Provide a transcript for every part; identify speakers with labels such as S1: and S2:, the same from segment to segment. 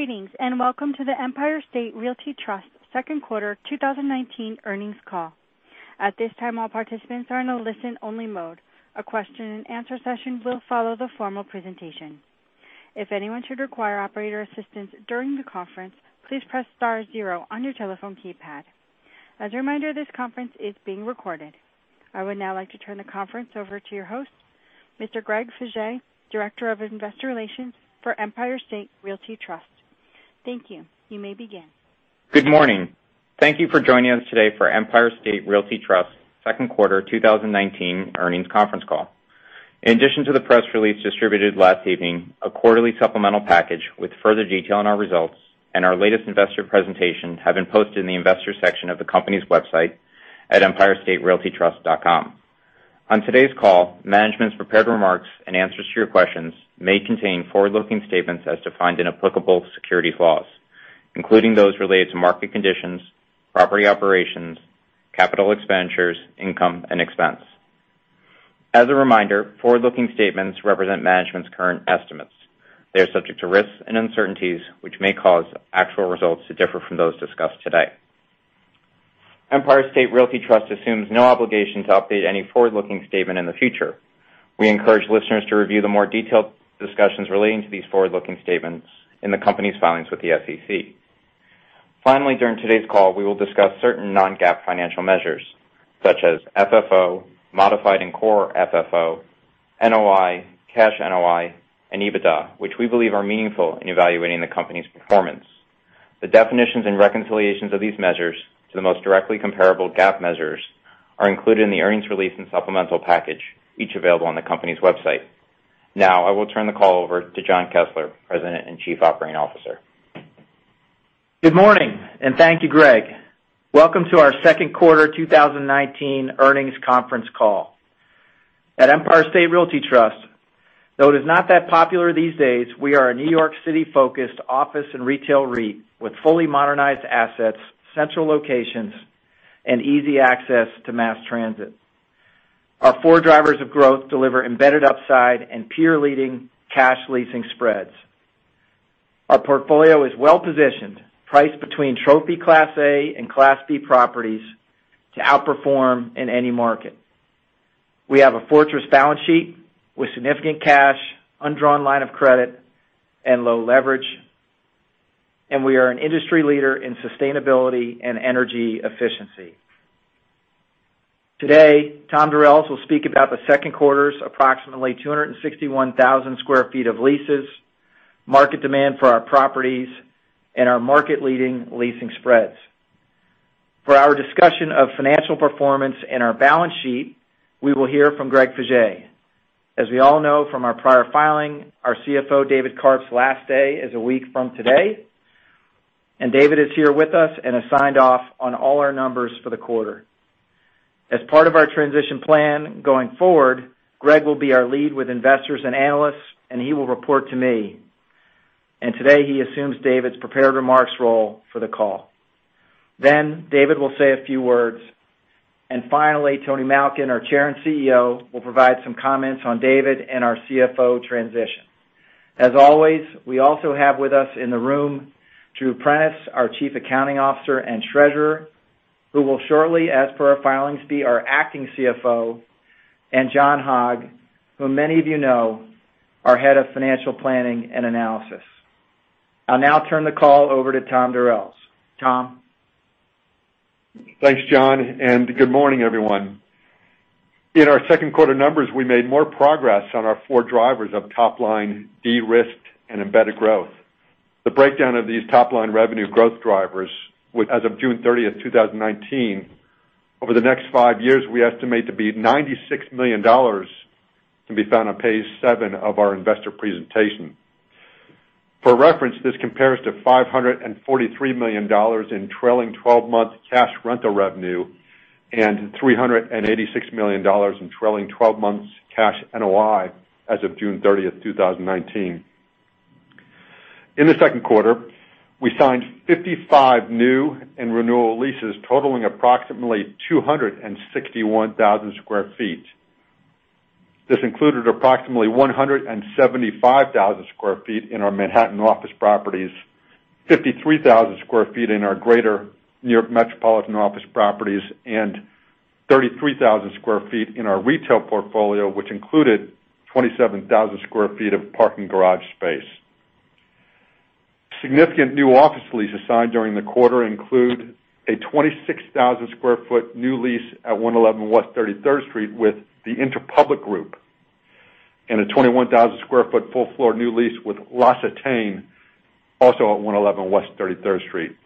S1: Greetings, welcome to the Empire State Realty Trust second quarter 2019 earnings call. At this time, all participants are in a listen-only mode. A question and answer session will follow the formal presentation. If anyone should require operator assistance during the conference, please press star zero on your telephone keypad. As a reminder, this conference is being recorded. I would now like to turn the conference over to your host, Mr. Greg Faje, Director of Investor Relations for Empire State Realty Trust. Thank you. You may begin.
S2: Good morning. Thank you for joining us today for Empire State Realty Trust second quarter 2019 earnings conference call. In addition to the press release distributed last evening, a quarterly supplemental package with further detail on our results and our latest investor presentation have been posted in the investors section of the company's website at empirestaterealtytrust.com. On today's call, management's prepared remarks and answers to your questions may contain forward-looking statements as defined in applicable securities laws, including those related to market conditions, property operations, capital expenditures, income, and expense. As a reminder, forward-looking statements represent management's current estimates. They are subject to risks and uncertainties, which may cause actual results to differ from those discussed today. Empire State Realty Trust assumes no obligation to update any forward-looking statement in the future. We encourage listeners to review the more detailed discussions relating to these forward-looking statements in the company's filings with the SEC. During today's call, we will discuss certain non-GAAP financial measures, such as FFO, modified and core FFO, NOI, cash NOI, and EBITDA, which we believe are meaningful in evaluating the company's performance. The definitions and reconciliations of these measures to the most directly comparable GAAP measures are included in the earnings release and supplemental package, each available on the company's website. I will turn the call over to John Kessler, President and Chief Operating Officer.
S3: Good morning. Thank you, Greg. Welcome to our second quarter 2019 earnings conference call. At Empire State Realty Trust, though it is not that popular these days, we are a New York City-focused office and retail REIT with fully modernized assets, central locations, and easy access to mass transit. Our four drivers of growth deliver embedded upside and peer-leading cash leasing spreads. Our portfolio is well-positioned, priced between trophy Class A and Class B properties to outperform in any market. We have a fortress balance sheet with significant cash, undrawn line of credit, and low leverage, and we are an industry leader in sustainability and energy efficiency. Today, Tom Durels will speak about the second quarter's approximately 261,000 sq ft of leases, market demand for our properties, and our market-leading leasing spreads. For our discussion of financial performance and our balance sheet, we will hear from Greg Faje. As we all know from our prior filing, our CFO, David Karp's last day is a week from today, and David is here with us and has signed off on all our numbers for the quarter. As part of our transition plan going forward, Greg will be our lead with investors and analysts, and he will report to me. Today, he assumes David's prepared remarks role for the call. David will say a few words. Finally, Tony Malkin, our Chair and CEO, will provide some comments on David and our CFO transition. As always, we also have with us in the room, Drew Prentice, our Chief Accounting Officer and Treasurer, who will shortly, as per our filings, be our acting CFO, and John Hogg, who many of you know, our Head of Financial Planning and Analysis. I'll now turn the call over to Tom Durels. Tom?
S4: Thanks, John. Good morning, everyone. In our second quarter numbers, we made more progress on our four drivers of top-line de-risked and embedded growth. The breakdown of these top-line revenue growth drivers as of June 30, 2019, over the next five years, we estimate to be $96 million, can be found on page seven of our investor presentation. For reference, this compares to $543 million in trailing 12-month cash rental revenue and $386 million in trailing 12 months cash NOI as of June 30, 2019. In the second quarter, we signed 55 new and renewal leases totaling approximately 261,000 sq ft. This included approximately 175,000 sq ft in our Manhattan office properties, 53,000 sq ft in our greater New York metropolitan office properties, and 33,000 sq ft in our retail portfolio, which included 27,000 sq ft of parking garage space. Significant new office leases signed during the quarter include a 26,000 sq ft new lease at 111 West 33rd Street with The Interpublic Group and a 21,000 sq ft full-floor new lease with L'Occitane, also at 111 West 33rd Street.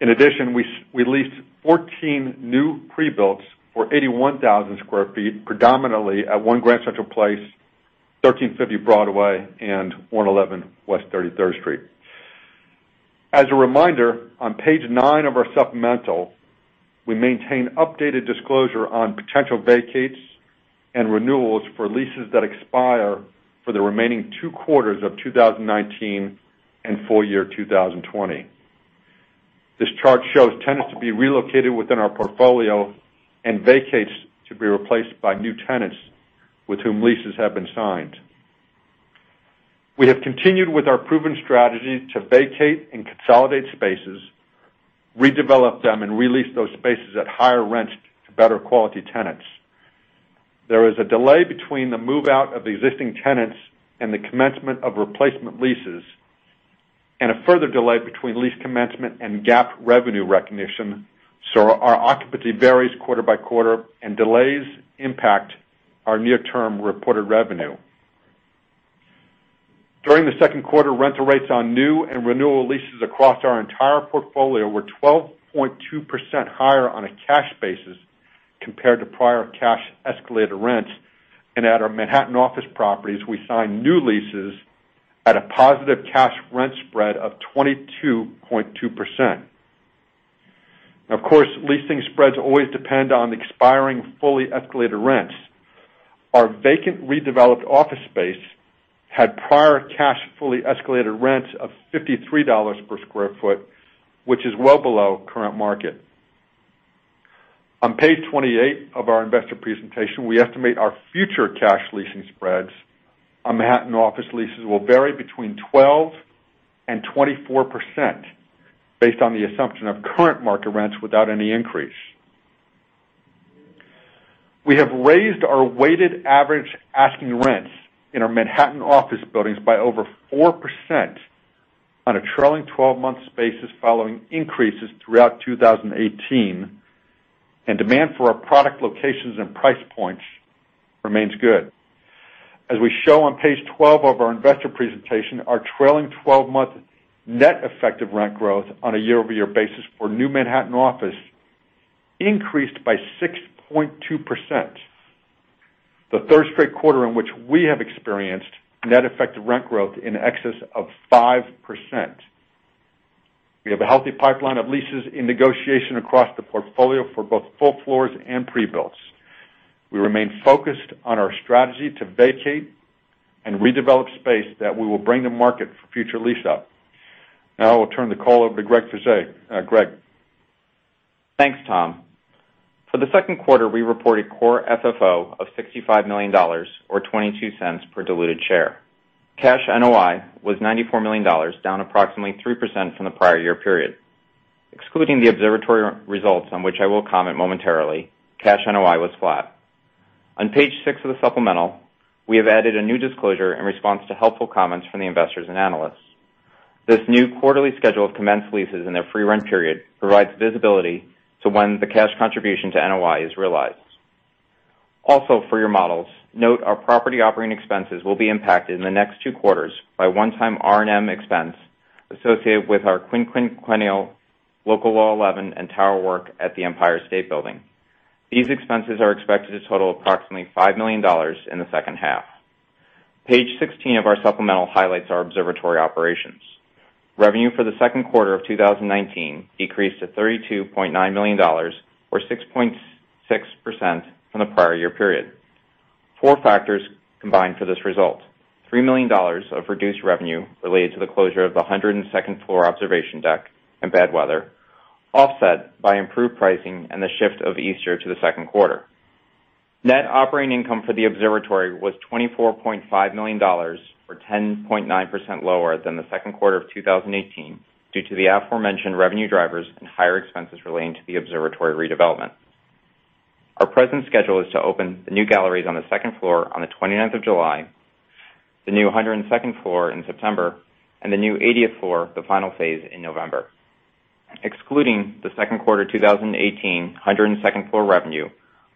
S4: In addition, we leased 14 new pre-builts for 81,000 sq ft, predominantly at One Grand Central Place, 1350 Broadway, and 111 West 33rd Street. As a reminder, on page nine of our supplemental, we maintain updated disclosure on potential vacates and renewals for leases that expire for the remaining two quarters of 2019 and full year 2020. This chart shows tenants to be relocated within our portfolio and vacates to be replaced by new tenants with whom leases have been signed. We have continued with our proven strategy to vacate and consolidate spaces, redevelop them, and re-lease those spaces at higher rents to better quality tenants. There is a delay between the move-out of existing tenants and the commencement of replacement leases, and a further delay between lease commencement and GAAP revenue recognition. Our occupancy varies quarter by quarter and delays impact our near-term reported revenue. During the second quarter, rental rates on new and renewal leases across our entire portfolio were 12.2% higher on a cash basis compared to prior cash escalated rents. At our Manhattan office properties, we signed new leases at a positive cash rent spread of 22.2%. Of course, leasing spreads always depend on the expiring fully escalated rents. Our vacant redeveloped office space had prior cash fully escalated rents of $53 per square foot, which is well below current market. On page 28 of our investor presentation, we estimate our future cash leasing spreads on Manhattan office leases will vary between 12% and 24% based on the assumption of current market rents without any increase. We have raised our weighted average asking rents in our Manhattan office buildings by over 4% on a trailing 12-month basis following increases throughout 2018, and demand for our product locations and price points remains good. As we show on page 12 of our investor presentation, our trailing 12-month net effective rent growth on a year-over-year basis for new Manhattan office increased by 6.2%, the third straight quarter in which we have experienced net effective rent growth in excess of 5%. We have a healthy pipeline of leases in negotiation across the portfolio for both full floors and pre-builts. We remain focused on our strategy to vacate and redevelop space that we will bring to market for future lease-up. Now I will turn the call over to Greg Faje. Greg?
S2: Thanks, Tom. For the second quarter, we reported core FFO of $65 million or $0.22 per diluted share. Cash NOI was $94 million, down approximately 3% from the prior year period. Excluding the observatory results on which I will comment momentarily, cash NOI was flat. On page six of the supplemental, we have added a new disclosure in response to helpful comments from the investors and analysts. This new quarterly schedule of commenced leases in their free rent period provides visibility to when the cash contribution to NOI is realized. For your models, note our property operating expenses will be impacted in the next two quarters by one-time R&M expense associated with our quinquennial Local Law 11 and tower work at the Empire State Building. These expenses are expected to total approximately $5 million in the second half. Page 16 of our supplemental highlights our observatory operations. Revenue for the second quarter of 2019 decreased to $32.9 million, or 6.6% from the prior year period. Four factors combined for this result. $3 million of reduced revenue related to the closure of the 102nd floor observation deck and bad weather, offset by improved pricing and the shift of Easter to the second quarter. Net operating income for the observatory was $24.5 million, or 10.9% lower than the second quarter of 2018 due to the aforementioned revenue drivers and higher expenses relating to the observatory redevelopment. Our present schedule is to open the new galleries on the second floor on the 29th of July, the new 102nd floor in September, and the new 80th floor, the final phase, in November. Excluding the second quarter 2018 102nd floor revenue,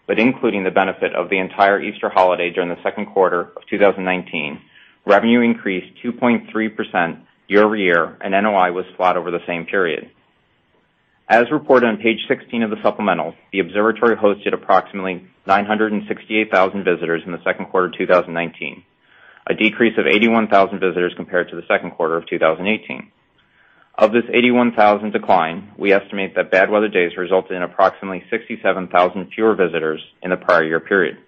S2: but including the benefit of the entire Easter holiday during the second quarter of 2019, revenue increased 2.3% year-over-year, and NOI was flat over the same period. As reported on page 16 of the supplemental, the observatory hosted approximately 968,000 visitors in the second quarter 2019, a decrease of 81,000 visitors compared to the second quarter of 2018. Of this 81,000 decline, we estimate that bad weather days resulted in approximately 67,000 fewer visitors in the prior year period.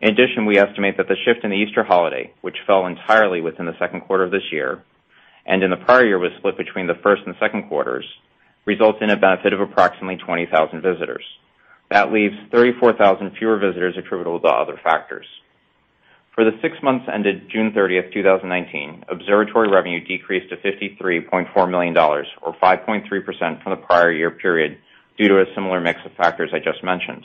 S2: In addition, we estimate that the shift in the Easter holiday, which fell entirely within the second quarter of this year, and in the prior year was split between the first and second quarters, results in a benefit of approximately 20,000 visitors. That leaves 34,000 fewer visitors attributable to other factors. For the six months ended June 30th, 2019, observatory revenue decreased to $53.4 million, or 5.3% from the prior year period due to a similar mix of factors I just mentioned.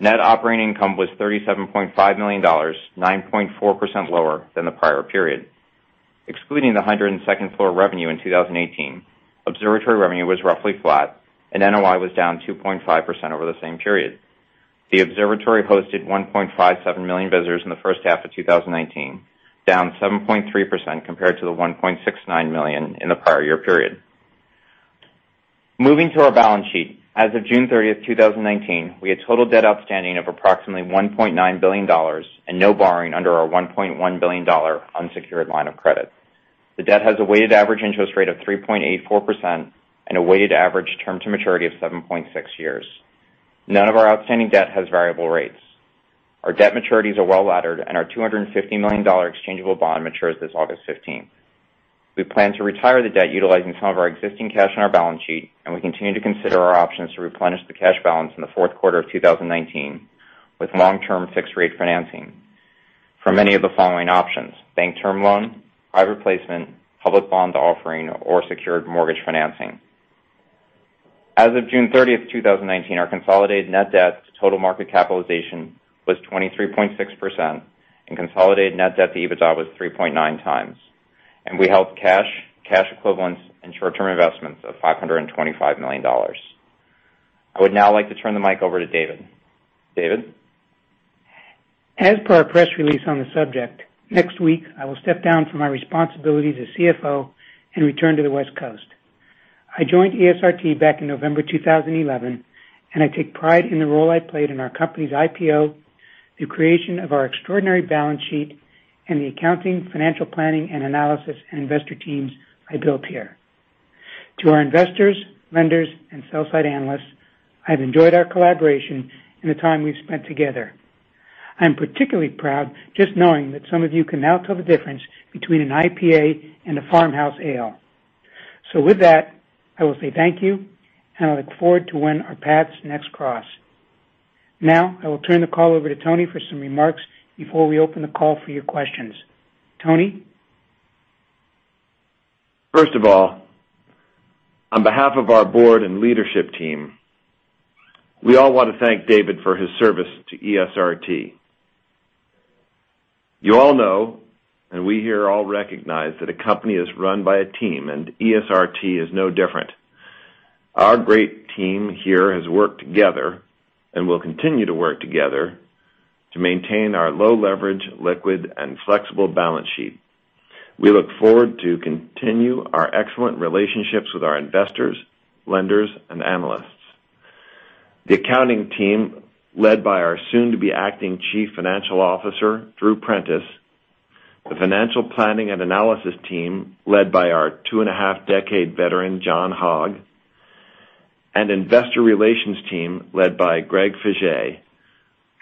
S2: Net operating income was $37.5 million, 9.4% lower than the prior period. Excluding the 102nd floor revenue in 2018, observatory revenue was roughly flat, and NOI was down 2.5% over the same period. The observatory hosted 1.57 million visitors in the first half of 2019, down 7.3% compared to the 1.69 million in the prior year period. Moving to our balance sheet. As of June 30th, 2019, we had total debt outstanding of approximately $1.9 billion and no borrowing under our $1.1 billion unsecured line of credit. The debt has a weighted average interest rate of 3.84% and a weighted average term to maturity of 7.6 years. None of our outstanding debt has variable rates. Our debt maturities are well-laddered, and our $250 million exchangeable bond matures this August 15th. We plan to retire the debt utilizing some of our existing cash on our balance sheet, and we continue to consider our options to replenish the cash balance in the fourth quarter of 2019 with long-term fixed rate financing from any of the following options: bank term loan, private placement, public bond offering, or secured mortgage financing. As of June 30th, 2019, our consolidated net debt to total market capitalization was 23.6%, and consolidated net debt to EBITDA was 3.9 times, and we held cash equivalents, and short-term investments of $525 million. I would now like to turn the mic over to David. David?
S5: As per our press release on the subject, next week, I will step down from my responsibilities as CFO and return to the West Coast. I joined ESRT back in November 2011, and I take pride in the role I played in our company's IPO, the creation of our extraordinary balance sheet, and the accounting, financial planning and analysis and investor teams I built here. To our investors, lenders, and sell-side analysts, I've enjoyed our collaboration and the time we've spent together. I'm particularly proud just knowing that some of you can now tell the difference between an IPA and a farmhouse ale. With that, I will say thank you, and I look forward to when our paths next cross. Now, I will turn the call over to Tony for some remarks before we open the call for your questions. Tony?
S6: First of all, on behalf of our Board and Leadership Team, we all want to thank David for his service to ESRT. You all know, and we here all recognize, that a company is run by a team, and ESRT is no different. Our great team here has worked together and will continue to work together to maintain our low leverage, liquid, and flexible balance sheet. We look forward to continue our excellent relationships with our investors, lenders, and analysts. The Accounting Team led by our soon-to-be acting Chief Financial Officer, Drew Prentice, the Financial Planning and Analysis Team led by our two-and-a-half decade veteran, John Hogg, and Investor Relations Team led by Greg Faje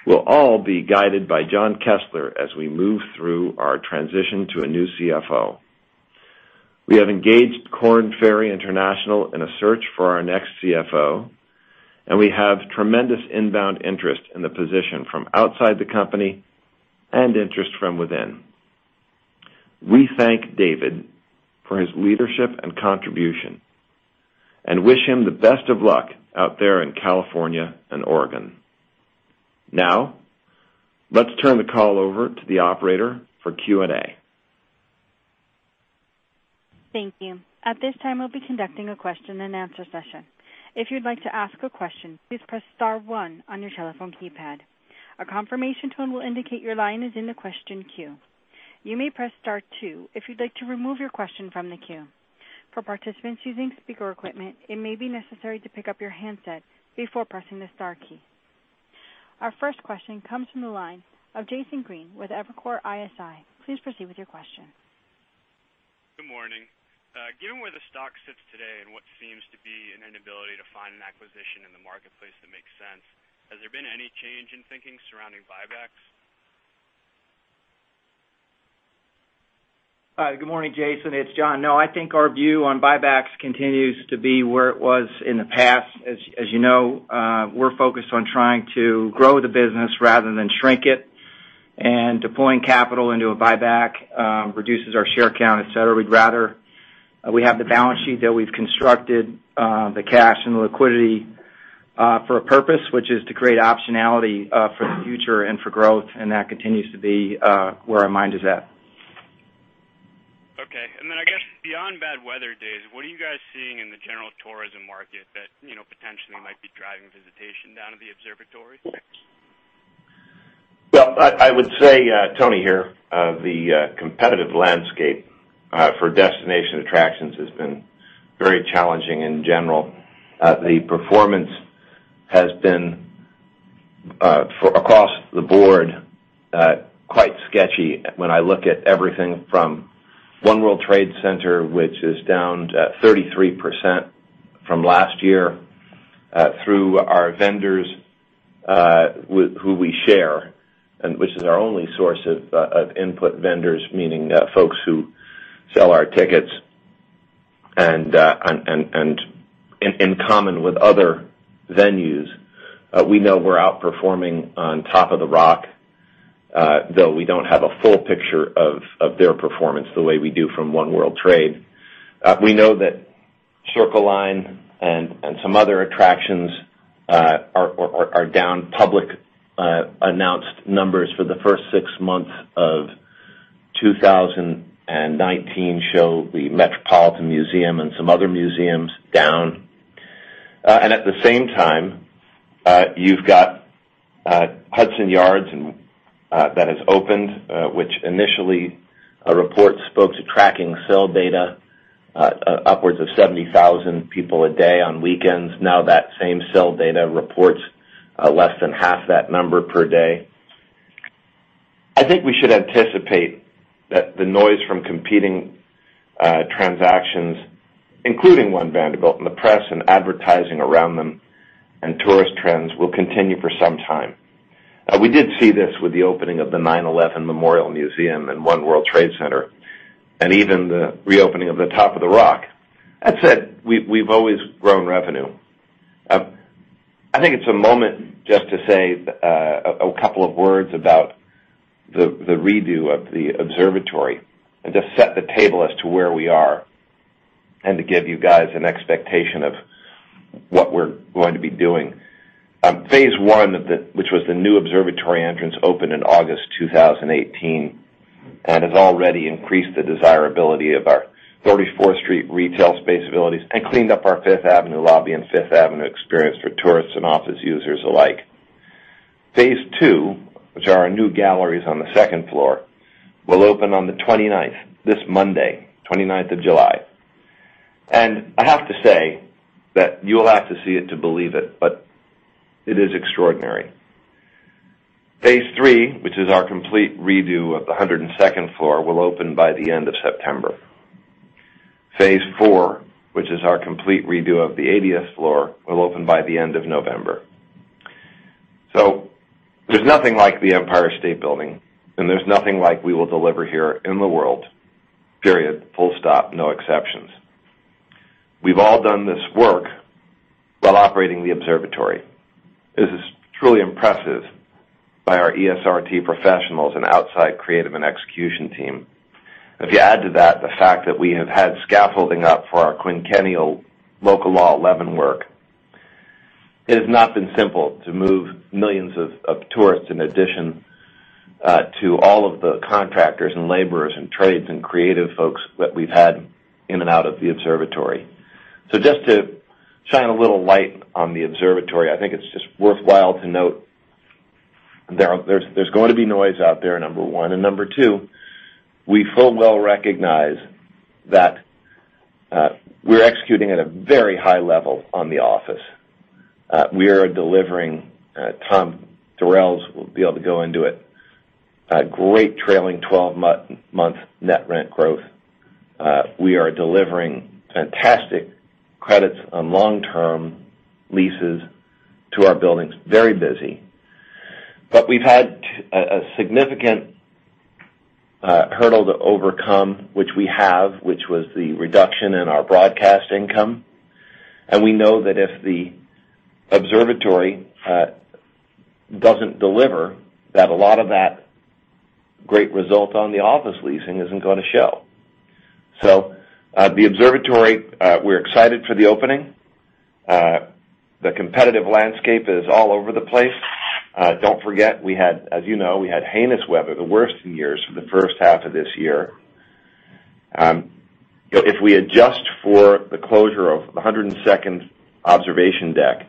S6: will all be guided by John Kessler as we move through our transition to a new CFO. We have engaged Korn Ferry International in a search for our next CFO, and we have tremendous inbound interest in the position from outside the company and interest from within. We thank David for his leadership and contribution and wish him the best of luck out there in California and Oregon. Now, let's turn the call over to the operator for Q&A.
S1: Thank you. At this time, we'll be conducting a question and answer session. If you'd like to ask a question, please press star one on your telephone keypad. A confirmation tone will indicate your line is in the question queue. You may press star two if you'd like to remove your question from the queue. For participants using speaker equipment, it may be necessary to pick up your handset before pressing the star key. Our first question comes from the line of Jason Green with Evercore ISI. Please proceed with your question.
S7: Good morning. Given where the stock sits today and what seems to be an inability to find an acquisition in the marketplace that makes sense, has there been any change in thinking surrounding buybacks?
S3: Hi. Good morning, Jason. It's John. No, I think our view on buybacks continues to be where it was in the past. As you know, we're focused on trying to grow the business rather than shrink it, and deploying capital into a buyback reduces our share count, et cetera. We have the balance sheet that we've constructed, the cash and the liquidity, for a purpose, which is to create optionality for the future and for growth, and that continues to be where our mind is at.
S7: Okay. Then, I guess beyond bad weather days, what are you guys seeing in the general tourism market that potentially might be driving visitation down to the observatory?
S6: Well, I would say, Tony here, the competitive landscape for destination attractions has been very challenging in general. The performance has been, across the board, quite sketchy when I look at everything from One World Trade Center, which is down 33% from last year, through our vendors who we share, which is our only source of input vendors, meaning folks who sell our tickets and in common with other venues. We know we're outperforming on Top of the Rock, though we don't have a full picture of their performance the way we do from One World Trade. We know that Circle Line and some other attractions are down. Public announced numbers for the first six months of 2019 show the Metropolitan Museum and some other museums down.
S2: At the same time, you've got Hudson Yards that has opened, which initially a report spoke to tracking cell data upwards of 70,000 people a day on weekends. Now that same cell data reports less than half that number per day.
S6: I think we should anticipate that the noise from competing transactions, including One Vanderbilt, and the press and advertising around them, and tourist trends will continue for some time. We did see this with the opening of the 9/11 Memorial Museum and One World Trade Center, and even the reopening of the Top of the Rock. That said, we've always grown revenue. I think it's a moment just to say a couple of words about the redo of the observatory and to set the table as to where we are, and to give you guys an expectation of what we're going to be doing. Phase 1, which was the new observatory entrance, opened in August 2018 and has already increased the desirability of our 34th Street retail space abilities and cleaned up our Fifth Avenue lobby and Fifth Avenue experience for tourists and office users alike. Phase II, which are our new galleries on the second floor, will open on the 29th, this Monday, 29th of July. I have to say that you will have to see it to believe it, but it is extraordinary. Phase III, which is our complete redo of the 102nd floor, will open by the end of September. Phase IV, which is our complete redo of the 80th floor, will open by the end of November. There's nothing like the Empire State Building, and there's nothing like we will deliver here in the world, period. Full stop, no exceptions. We've all done this work while operating the observatory. This is truly impressive by our ESRT professionals and outside creative and execution team. If you add to that the fact that we have had scaffolding up for our quinquennial Local Law 11 work, it has not been simple to move millions of tourists in addition to all of the contractors and laborers and trades and creative folks that we've had in and out of the observatory. Just to shine a little light on the observatory, I think it's just worthwhile to note there's going to be noise out there, number one. Number two, we full well recognize that we're executing at a very high level on the office. We are delivering, Tom Durels will be able to go into it, a great trailing 12-month net rent growth. We are delivering fantastic credits on long-term leases to our buildings. Very busy. We've had a significant hurdle to overcome, which we have, which was the reduction in our broadcast income. We know that if the observatory doesn't deliver, that a lot of that great result on the office leasing isn't going to show. The observatory, we're excited for the opening. The competitive landscape is all over the place. Don't forget, as you know, we had heinous weather, the worst in years, for the first half of this year. If we adjust for the closure of the 102nd observation deck,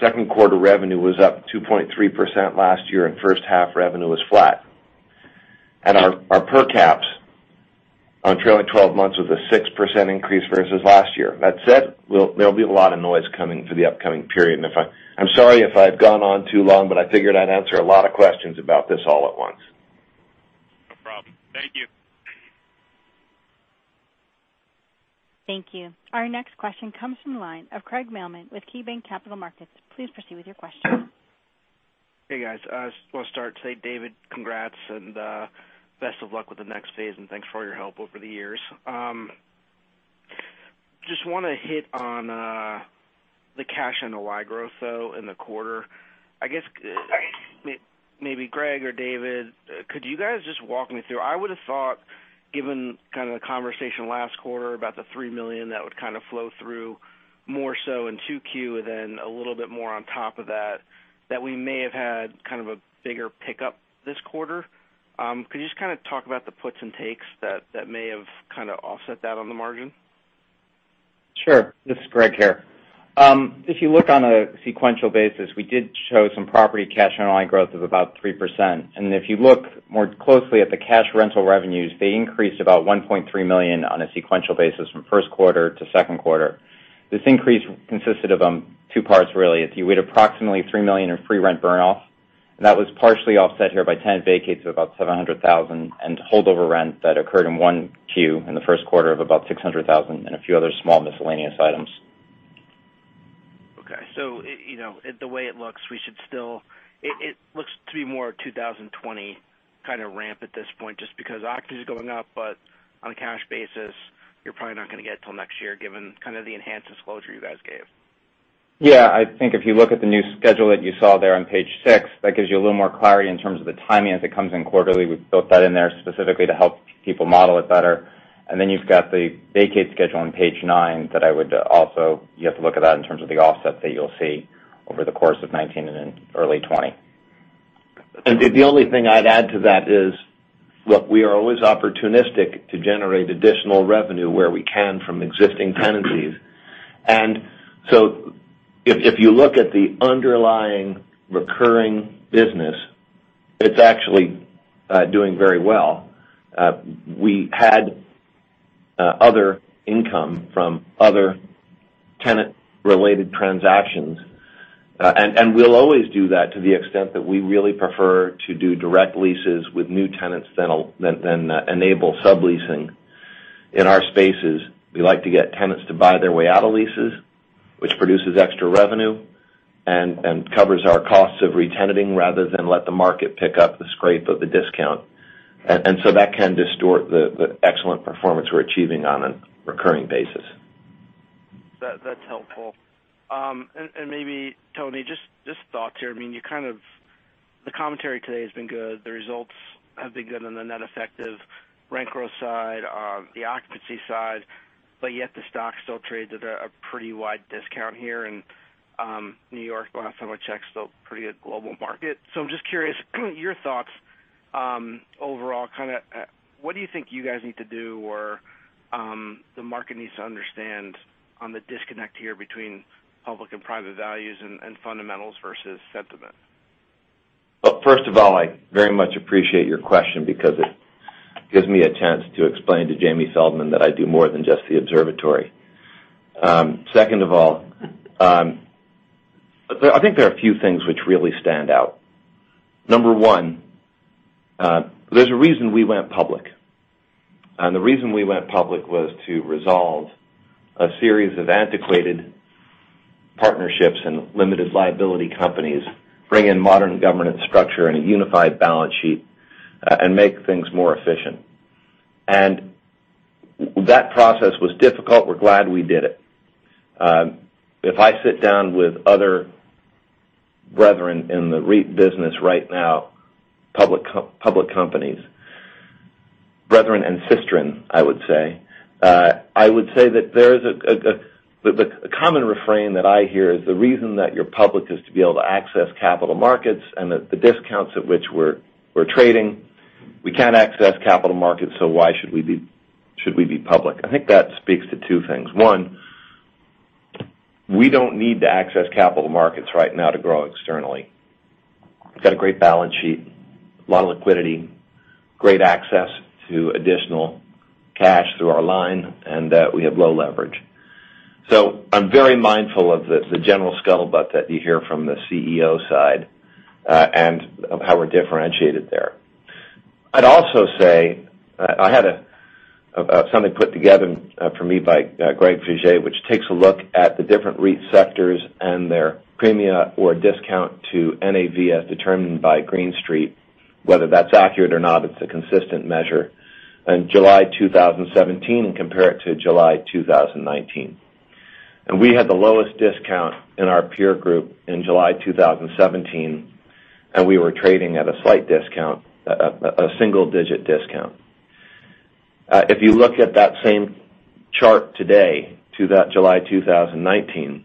S6: second quarter revenue was up 2.3% last year, and first half revenue was flat. Our per caps on trailing 12 months was a 6% increase versus last year. That said, there'll be a lot of noise coming for the upcoming period. I'm sorry if I've gone on too long, but I figured I'd answer a lot of questions about this all at once.
S7: No problem. Thank you.
S1: Thank you. Our next question comes from the line of Craig Mailman with KeyBanc Capital Markets. Please proceed with your question.
S8: Hey, guys. I just want to start to say, David, congrats and best of luck with the next phase, and thanks for all your help over the years. Just want to hit on the cash NOI growth, though, in the quarter. I guess maybe Greg or David, could you guys just walk me through? I would have thought, given kind of the conversation last quarter about the $3 million, that would kind of flow through more so in 2Q than a little bit more on top of that we may have had kind of a bigger pickup this quarter. Could you just kind of talk about the puts and takes that may have kind of offset that on the margin?
S2: Sure. This is Greg here. If you look on a sequential basis, we did show some property cash NOI growth of about 3%. If you look more closely at the cash rental revenues, they increased about $1.3 million on a sequential basis from first quarter to second quarter. This increase consisted of two parts, really. We had approximately $3 million in free rent burn off, and that was partially offset here by tenant vacates of about $700,000, and holdover rent that occurred in 1Q in the first quarter of about $600,000, and a few other small miscellaneous items.
S8: Okay. The way it looks, it looks to be more 2020 kind of ramp at this point, just because occupancy is going up, but on a cash basis, you're probably not going to get it till next year given kind of the enhanced disclosure you guys gave.
S2: Yeah. I think if you look at the new schedule that you saw there on page six, that gives you a little more clarity in terms of the timing as it comes in quarterly. We've built that in there specifically to help people model it better. then you've got the vacate schedule on page nine. You have to look at that in terms of the offsets that you'll see over the course of 2019 and in early 2020.
S6: The only thing I'd add to that is, look, we are always opportunistic to generate additional revenue where we can from existing tenancies. If you look at the underlying recurring business, it's actually doing very well. We had other income from other tenant-related transactions. We'll always do that to the extent that we really prefer to do direct leases with new tenants than enable subleasing in our spaces. We like to get tenants to buy their way out of leases, which produces extra revenue and covers our costs of re-tenanting rather than let the market pick up the scrape of the discount. That can distort the excellent performance we're achieving on a recurring basis.
S8: That's helpful. Maybe, Tony, just thoughts here. The commentary today has been good. The results have been good on the net effective rent growth side, the occupancy side, but yet the stock still trades at a pretty wide discount here in New York. Last time I checked, still pretty a global market. I'm just curious, your thoughts overall. What do you think you guys need to do, or the market needs to understand on the disconnect here between public and private values and fundamentals versus sentiment?
S6: Well, first of all, I very much appreciate your question because it gives me a chance to explain to Jamie Feldman that I do more than just the observatory. Second of all, I think there are a few things which really stand out. Number one, there's a reason we went public, and the reason we went public was to resolve a series of antiquated partnerships and limited liability companies, bring in modern governance structure and a unified balance sheet, and make things more efficient. That process was difficult. We're glad we did it. If I sit down with other brethren in the REIT business right now, public companies, brethren and sistren, I would say. I would say that the common refrain that I hear is the reason that you're public is to be able to access capital markets and that the discounts at which we're trading, we can't access capital markets, so why should we be public? I think that speaks to two things. One, we don't need to access capital markets right now to grow externally. We've got a great balance sheet, a lot of liquidity, great access to additional cash through our line, and that we have low leverage. I'm very mindful of the general scuttlebutt that you hear from the CEO side, and of how we're differentiated there. I'd also say, I had something put together for me by Greg Faje, which takes a look at the different REIT sectors and their premia or discount to NAV as determined by Green Street. Whether that's accurate or not, it's a consistent measure. In July 2017, compared to July 2019. We had the lowest discount in our peer group in July 2017, and we were trading at a slight discount, a single-digit discount. If you look at that same chart today to that July 2019,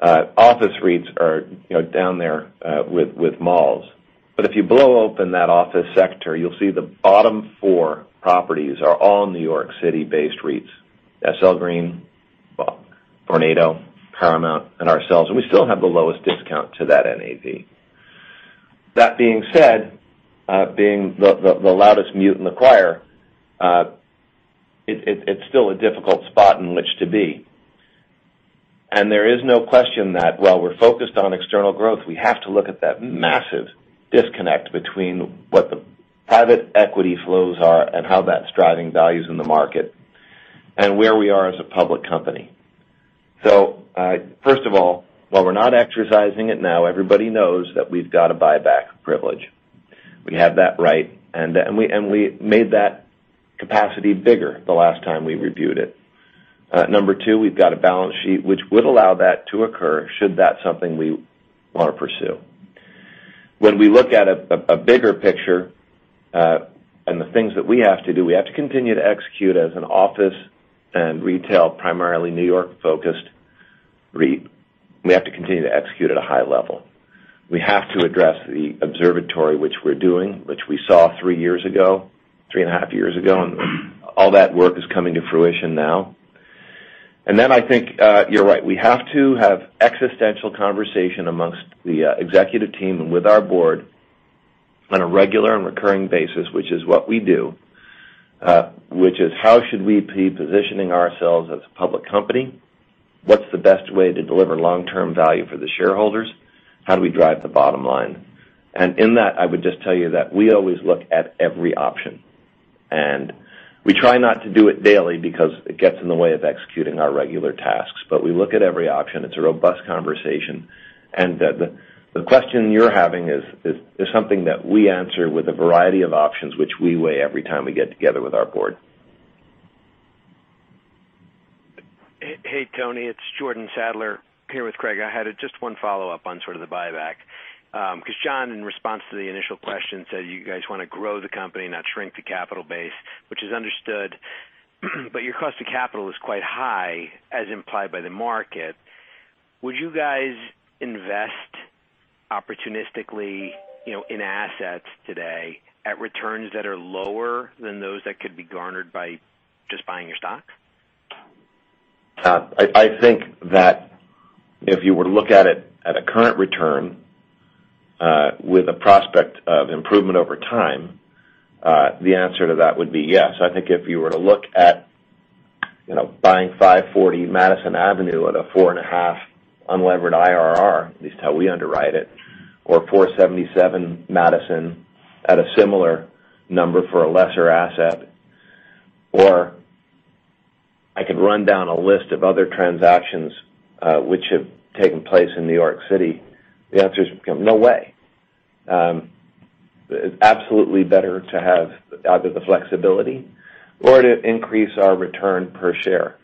S6: office REITs are down there, with malls. If you blow open that office sector, you'll see the bottom four properties are all New York City-based REITs, SL Green, Vornado, Paramount, and ourselves. We still have the lowest discount to that NAV. That being said, being the loudest mute in the choir, it's still a difficult spot in which to be. There is no question that while we're focused on external growth, we have to look at that massive disconnect between what the private equity flows are and how that's driving values in the market and where we are as a public company. First of all, while we're not exercising it now, everybody knows that we've got a buyback privilege. We have that right, and we made that capacity bigger the last time we reviewed it. Number two, we've got a balance sheet which would allow that to occur, should that's something we want to pursue. When we look at a bigger picture, and the things that we have to do, we have to continue to execute as an office and retail, primarily New York-focused REIT. We have to continue to execute at a high level. We have to address the observatory, which we're doing, which we saw three and a half years ago, and all that work is coming to fruition now. I think, you're right. We have to have existential conversation amongst the executive team and with our board on a regular and recurring basis, which is what we do, which is how should we be positioning ourselves as a public company? What's the best way to deliver long-term value for the shareholders? How do we drive the bottom line? In that, I would just tell you that we always look at every option. We try not to do it daily because it gets in the way of executing our regular tasks. We look at every option. It's a robust conversation, and the question you're having is something that we answer with a variety of options, which we weigh every time we get together with our board.
S9: Hey, Tony. It's Jordan Sadler here with Craig. I had just one follow-up on sort of the buyback. John, in response to the initial question, said you guys want to grow the company, not shrink the capital base, which is understood. Your cost of capital is quite high as implied by the market. Would you guys invest opportunistically in assets today at returns that are lower than those that could be garnered by just buying your stock?
S6: I think that if you were to look at it at a current return with a prospect of improvement over time, the answer to that would be yes. I think if you were to look at buying 540 Madison Avenue at a 4.5% unlevered IRR, at least how we underwrite it, or 477 Madison at a similar number for a lesser asset, or I could run down a list of other transactions which have taken place in New York City. The answer is no way. It's absolutely better to have either the flexibility or to increase our return per share.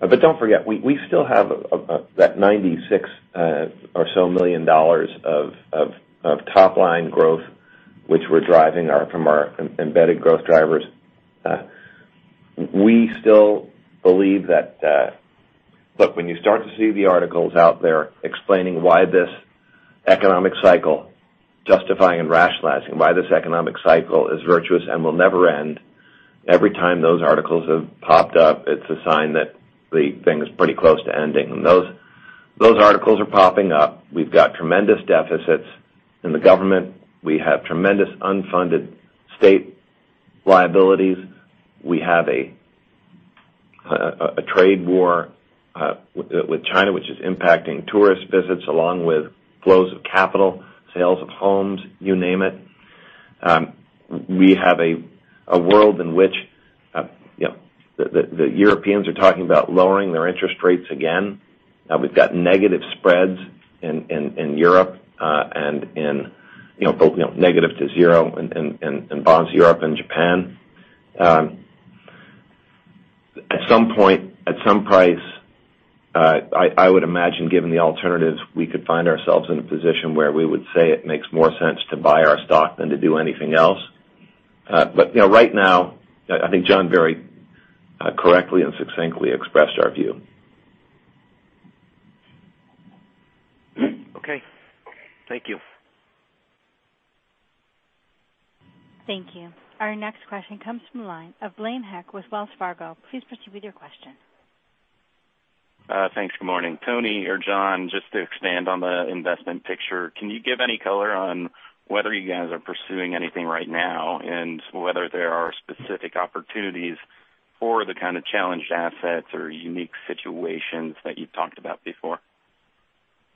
S6: Don't forget, we still have that $96 or so million of top-line growth, which we're driving from our embedded growth drivers. We still believe that. Look, when you start to see the articles out there explaining why this economic cycle, justifying and rationalizing why this economic cycle is virtuous and will never end, every time those articles have popped up, it's a sign that the thing is pretty close to ending. Those articles are popping up. We've got tremendous deficits in the government. We have tremendous unfunded state liabilities. We have a trade war with China, which is impacting tourist visits along with flows of capital, sales of homes, you name it. We have a world in which the Europeans are talking about lowering their interest rates again. We've got negative spreads in Europe and negative to zero in bonds, Europe and Japan. At some point, at some price, I would imagine, given the alternatives, we could find ourselves in a position where we would say it makes more sense to buy our stock than to do anything else. Right now, I think John very correctly and succinctly expressed our view.
S9: Okay. Thank you.
S1: Thank you. Our next question comes from the line of Blaine Heck with Wells Fargo. Please proceed with your question.
S10: Thanks. Good morning. Tony or John, just to expand on the investment picture, can you give any color on whether you guys are pursuing anything right now, and whether there are specific opportunities for the kind of challenged assets or unique situations that you've talked about before?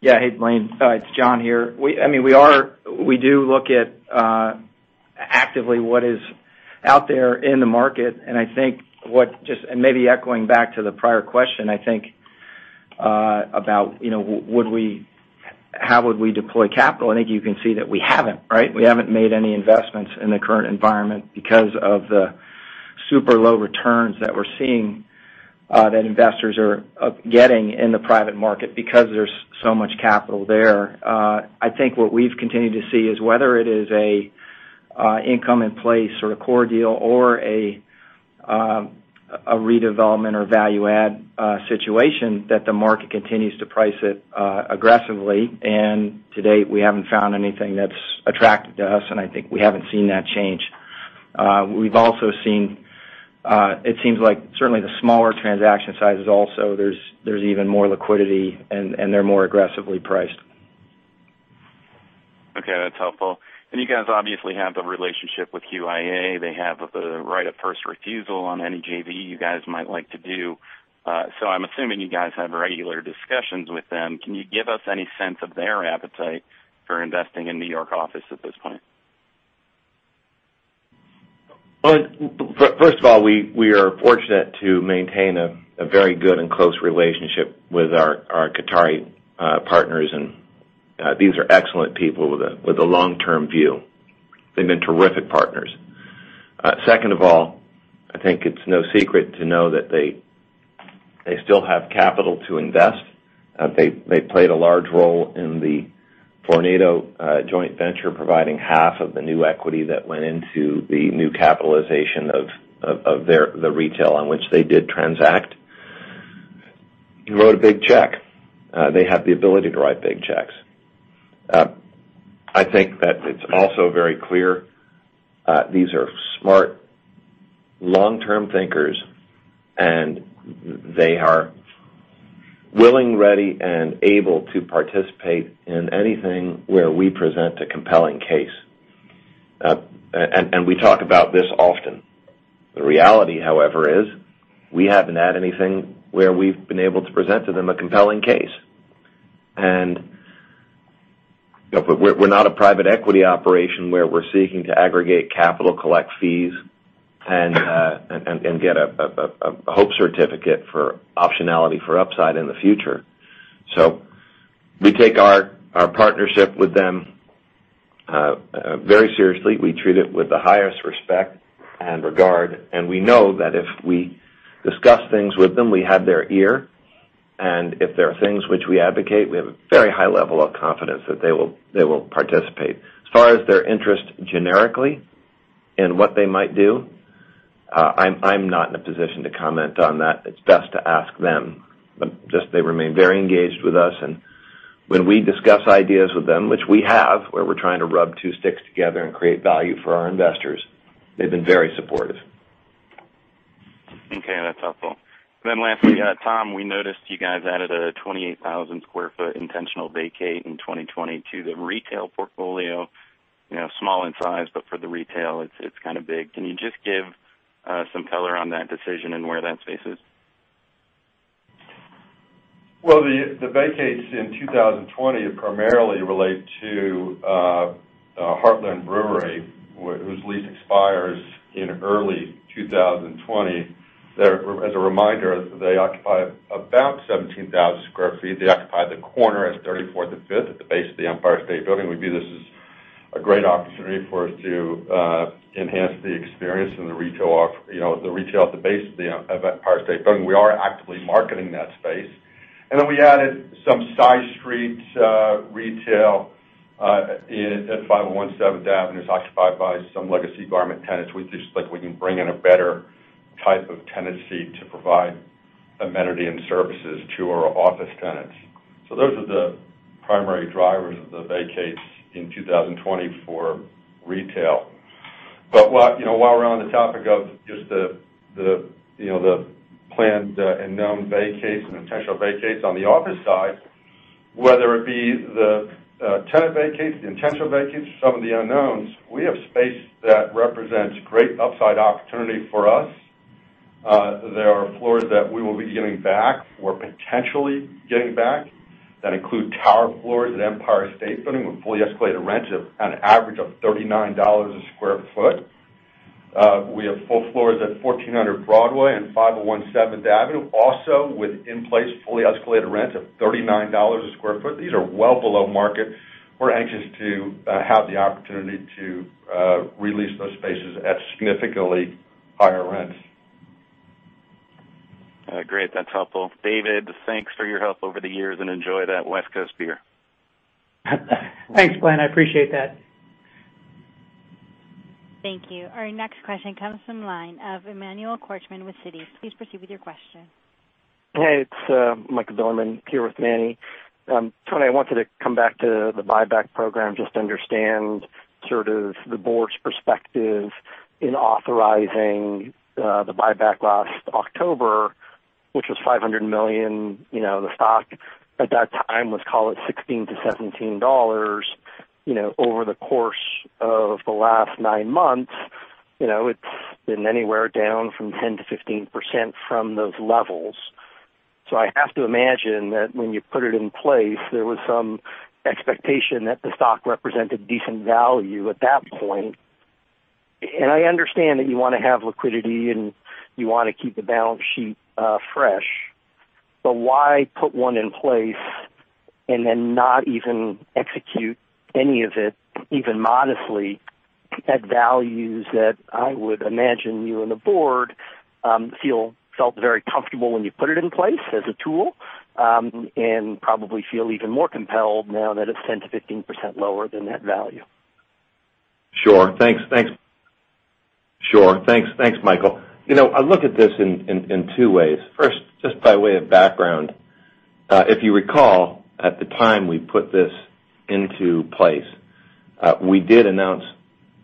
S3: Yeah. Hey, Blaine, it's John here. We do look at actively what is out there in the market, and maybe echoing back to the prior question, I think, about how would we deploy capital? I think you can see that we haven't, right? We haven't made any investments in the current environment because of the super low returns that we're seeing that investors are getting in the private market because there's so much capital there. I think what we've continued to see is whether it is a income in place or a core deal or a redevelopment or value add situation, that the market continues to price it aggressively. To date, we haven't found anything that's attractive to us, and I think we haven't seen that change. We've also seen, it seems like certainly the smaller transaction sizes also, there's even more liquidity, and they're more aggressively priced.
S10: Okay. That's helpful. You guys obviously have the relationship with QIA. They have the right of first refusal on any JV you guys might like to do. I'm assuming you guys have regular discussions with them. Can you give us any sense of their appetite for investing in New York office at this point?
S6: First of all, we are fortunate to maintain a very good and close relationship with our Qatari partners. These are excellent people with a long-term view. They've been terrific partners. Second of all, I think it's no secret to know that they still have capital to invest. They played a large role in the Vornado joint venture, providing half of the new equity that went into the new capitalization of the retail on which they did transact. Wrote a big check. They have the ability to write big checks. I think that it's also very clear these are smart long-term thinkers. They are willing, ready, and able to participate in anything where we present a compelling case. We talk about this often. The reality, however, is we haven't had anything where we've been able to present to them a compelling case. We're not a private equity operation where we're seeking to aggregate capital, collect fees, and get a hope certificate for optionality for upside in the future. We take our partnership with them very seriously. We treat it with the highest respect and regard, and we know that if we discuss things with them, we have their ear. If there are things which we advocate, we have a very high level of confidence that they will participate. As far as their interest generically and what they might do, I'm not in a position to comment on that. It's best to ask them. Just they remain very engaged with us. When we discuss ideas with them, which we have, where we're trying to rub two sticks together and create value for our investors, they've been very supportive.
S10: Okay, that's helpful. Lastly, Tom, we noticed you guys added a 28,000 sq ft intentional vacate in 2020 to the retail portfolio. Small in size, but for the retail, it's kind of big. Can you just give some color on that decision and where that space is?
S4: Well, the vacates in 2020 primarily relate to Heartland Brewery, whose lease expires in early 2020. As a reminder, they occupy about 17,000 sq ft. They occupy the corner at 34th and Fifth at the base of the Empire State Building. We view this as a great opportunity for us to enhance the experience in the retail at the base of the Empire State Building. We are actively marketing that space. We added some side street retail at 501 Seventh Avenue. It's occupied by some legacy garment tenants. We just think we can bring in a better type of tenancy to provide amenity and services to our office tenants. Those are the primary drivers of the vacates in 2020 for retail. While we're on the topic of just the planned and known vacates and potential vacates on the office side, whether it be the tenant vacates, the intentional vacates, or some of the unknowns, we have space that represents great upside opportunity for us. There are floors that we will be getting back, or potentially getting back, that include tower floors at Empire State Building with fully escalated rent of an average of $39 a square foot. We have full floors at 1400 Broadway and 501 Seventh Avenue, also with in place fully escalated rent of $39 a square foot. These are well below market. We're anxious to have the opportunity to re-lease those spaces at significantly higher rents.
S10: Great. That's helpful. David, thanks for your help over the years and enjoy that West Coast beer.
S5: Thanks, Blaine. I appreciate that.
S1: Thank you. Our next question comes from the line of Emmanuel Korchman with Citi. Please proceed with your question.
S11: Hey, it's Michael Bilerman, here with Manny. Tony, I wanted to come back to the buyback program, just to understand sort of the board's perspective in authorizing the buyback last October, which was $500 million. The stock at that time was, call it $16-$17. Over the course of the last nine months, it's been anywhere down from 10%-15% from those levels. I have to imagine that when you put it in place, there was some expectation that the stock represented decent value at that point. I understand that you want to have liquidity, and you want to keep the balance sheet fresh, but why put one in place and then not even execute any of it, even modestly, at values that I would imagine you and the board felt very comfortable when you put it in place as a tool, and probably feel even more compelled now that it's 10%-15% lower than that value?
S6: Sure. Thanks, Michael. I look at this in two ways. First, just by way of background, if you recall, at the time we put this into place, we did announce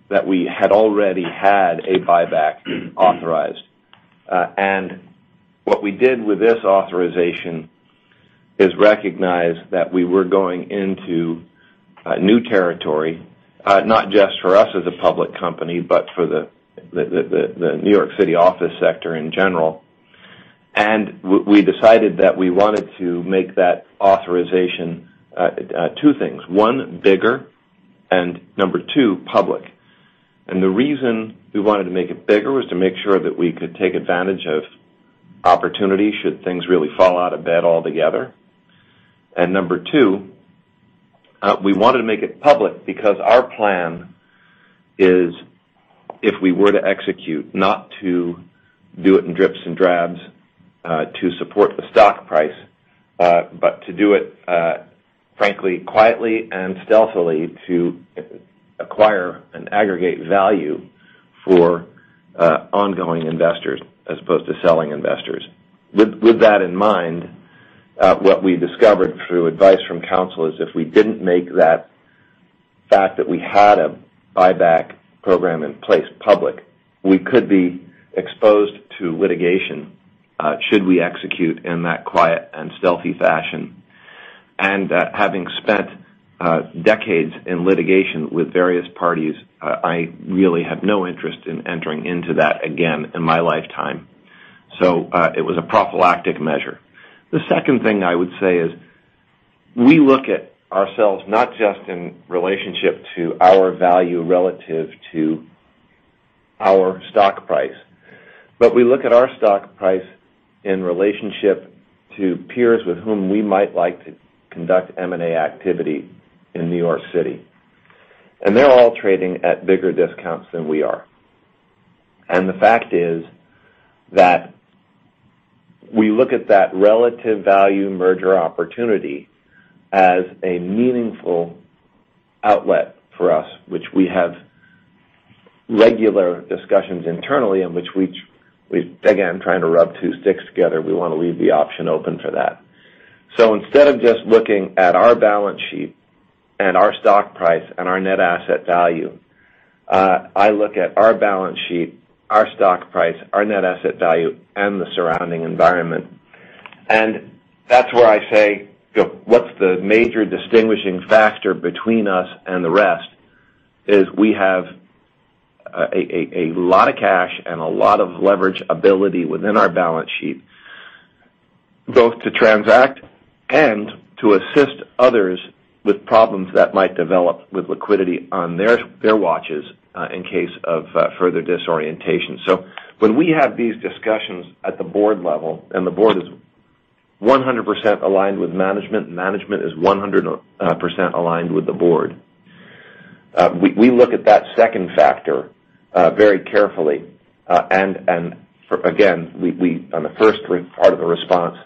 S6: that we had already had a buyback authorized. What we did with this authorization is recognize that we were going into new territory, not just for us as a public company, but for the New York City office sector in general. We decided that we wanted to make that authorization, two things. One, bigger, and number two, public. The reason we wanted to make it bigger was to make sure that we could take advantage of opportunities should things really fall out of bed altogether. Number 2, we wanted to make it public because our plan is if we were to execute, not to do it in drips and drabs to support the stock price, but to do it frankly, quietly and stealthily to acquire an aggregate value for ongoing investors as opposed to selling investors. With that in mind, what we discovered through advice from counsel is if we didn't make that fact that we had a buyback program in place public, we could be exposed to litigation should we execute in that quiet and stealthy fashion. Having spent decades in litigation with various parties, I really have no interest in entering into that again in my lifetime. It was a prophylactic measure. The second thing I would say is, we look at ourselves not just in relationship to our value relative to our stock price, but we look at our stock price in relationship to peers with whom we might like to conduct M&A activity in New York City. They're all trading at bigger discounts than we are. The fact is that we look at that relative value merger opportunity as a meaningful outlet for us, which we have regular discussions internally in which we, again, trying to rub two sticks together, we want to leave the option open for that. Instead of just looking at our balance sheet and our stock price and our net asset value, I look at our balance sheet, our stock price, our net asset value, and the surrounding environment. That's where I say, what's the major distinguishing factor between us and the rest, is we have a lot of cash and a lot of leverage ability within our balance sheet, both to transact and to assist others with problems that might develop with liquidity on their watches, in case of further disorientation. When we have these discussions at the board level, and the board is 100% aligned with management, and management is 100% aligned with the board, we look at that second factor very carefully. Again, on the first part of the response,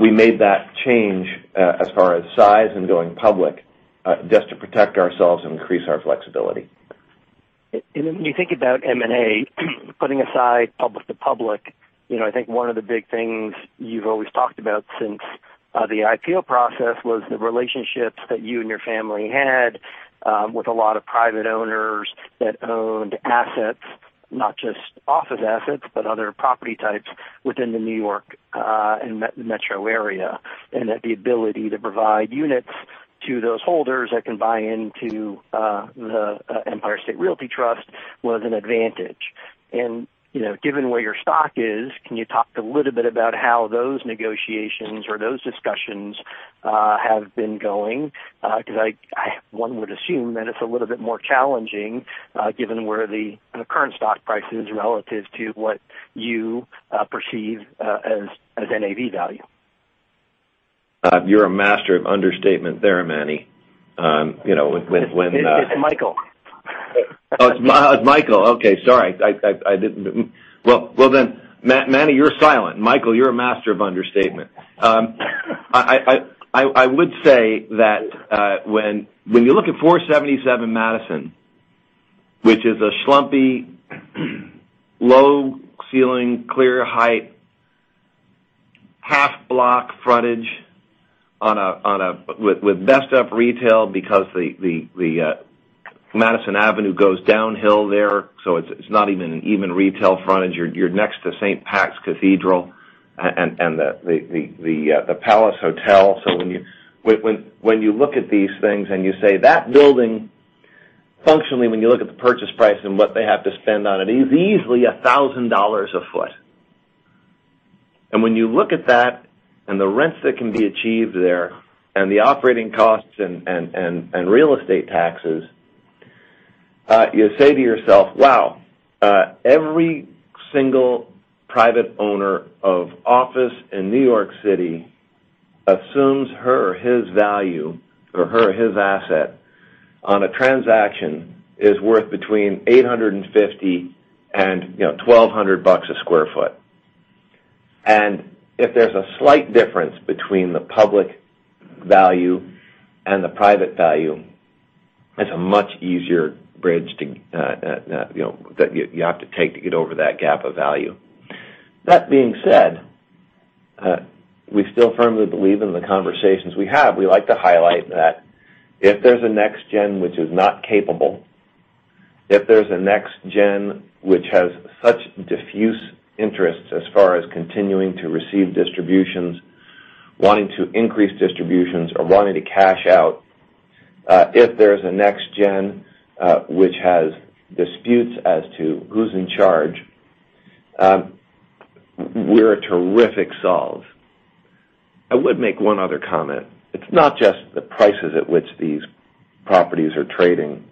S6: we made that change, as far as size and going public, just to protect ourselves and increase our flexibility.
S11: When you think about M&A, putting aside public to public, I think one of the big things you've always talked about since the IPO process was the relationships that you and your family had with a lot of private owners that owned assets, not just office assets, but other property types within the New York and metro area, and that the ability to provide units to those holders that can buy into the Empire State Realty Trust was an advantage. Given where your stock is, can you talk a little bit about how those negotiations or those discussions have been going? Because one would assume that it's a little bit more challenging, given where the current stock price is relative to what you perceive as NAV value.
S6: You're a master of understatement there, Manny.
S11: It's Michael.
S6: Oh, it's Michael. Okay. Sorry. Manny, you're silent. Michael, you're a master of understatement. I would say that when you look at 477 Madison, which is a schlumpy, low ceiling, clear height, half block frontage with messed up retail because the Madison Avenue goes downhill there, so it's not even retail frontage. You're next to St. Pat's Cathedral and the Palace Hotel. When you look at these things and you say that building, functionally, when you look at the purchase price and what they have to spend on it, is easily $1,000 a foot. When you look at that and the rents that can be achieved there and the operating costs and real estate taxes, you say to yourself, "Wow." Every single private owner of office in New York City assumes her or his value or her or his asset on a transaction is worth between $850-$1,200 a square foot. If there's a slight difference between the public value and the private value, it's a much easier bridge that you have to take to get over that gap of value. That being said, we still firmly believe in the conversations we have. We like to highlight that if there's a next gen which is not capable, if there's a next gen which has such diffuse interests as far as continuing to receive distributions, wanting to increase distributions, or wanting to cash out, if there's a next gen, which has disputes as to who's in charge, we're a terrific solve. I would make one other comment. It's not just the prices at which these properties are trading,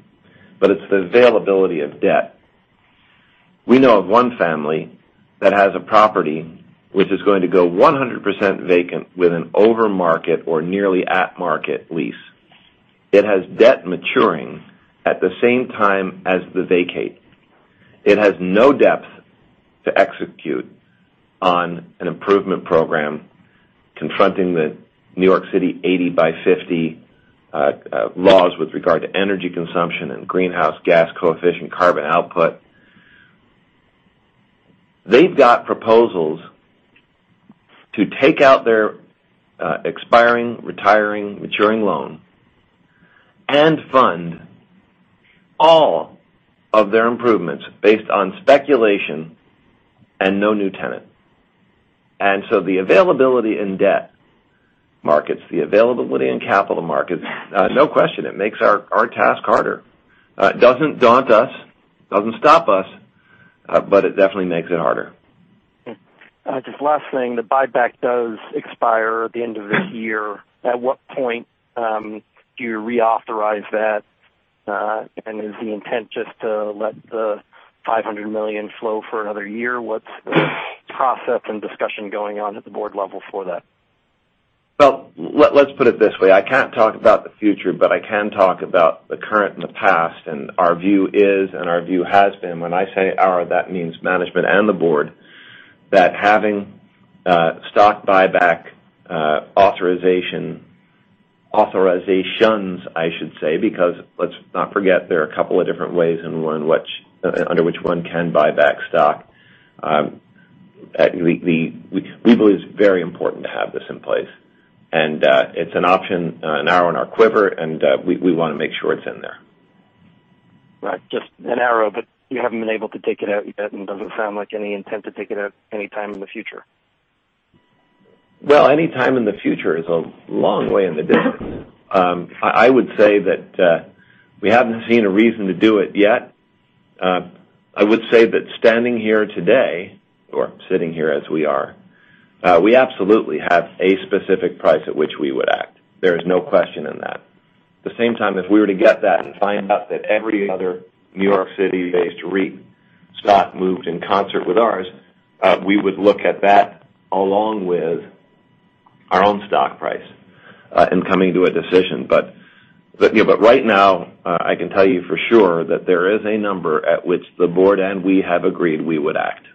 S6: but it's the availability of debt. We know of one family that has a property which is going to go 100% vacant with an over-market or nearly at-market lease. It has debt maturing at the same time as the vacate. It has no depth to execute on an improvement program confronting the New York City 80 by 50 laws with regard to energy consumption and greenhouse gas coefficient carbon output. They've got proposals to take out their expiring, retiring, maturing loan and fund all of their improvements based on speculation and no new tenant. The availability in debt markets, the availability in capital markets, no question, it makes our task harder. It doesn't daunt us, doesn't stop us, but it definitely makes it harder.
S11: Just last thing, the buyback does expire at the end of this year. At what point do you reauthorize that? Is the intent just to let the $500 million flow for another year? What's the process and discussion going on at the board level for that?
S6: Well, let's put it this way. I can't talk about the future, but I can talk about the current and the past. Our view is, and our view has been, when I say our, that means management and the board, that having stock buyback authorizations, I should say, because let's not forget there are a couple of different ways under which one can buy back stock. We believe it's very important to have this in place, and it's an option, an arrow in our quiver, and we want to make sure it's in there.
S11: Right. Just an arrow, but you haven't been able to take it out yet, and it doesn't sound like any intent to take it out anytime in the future.
S6: Well, anytime in the future is a long way in the distance. I would say that we haven't seen a reason to do it yet. I would say that standing here today, or sitting here as we are, we absolutely have a specific price at which we would act. There is no question in that. At the same time, if we were to get that and find out that every other New York City-based REIT stock moved in concert with ours, we would look at that along with our own stock price in coming to a decision. Right now, I can tell you for sure that there is a number at which the board and we have agreed we would act.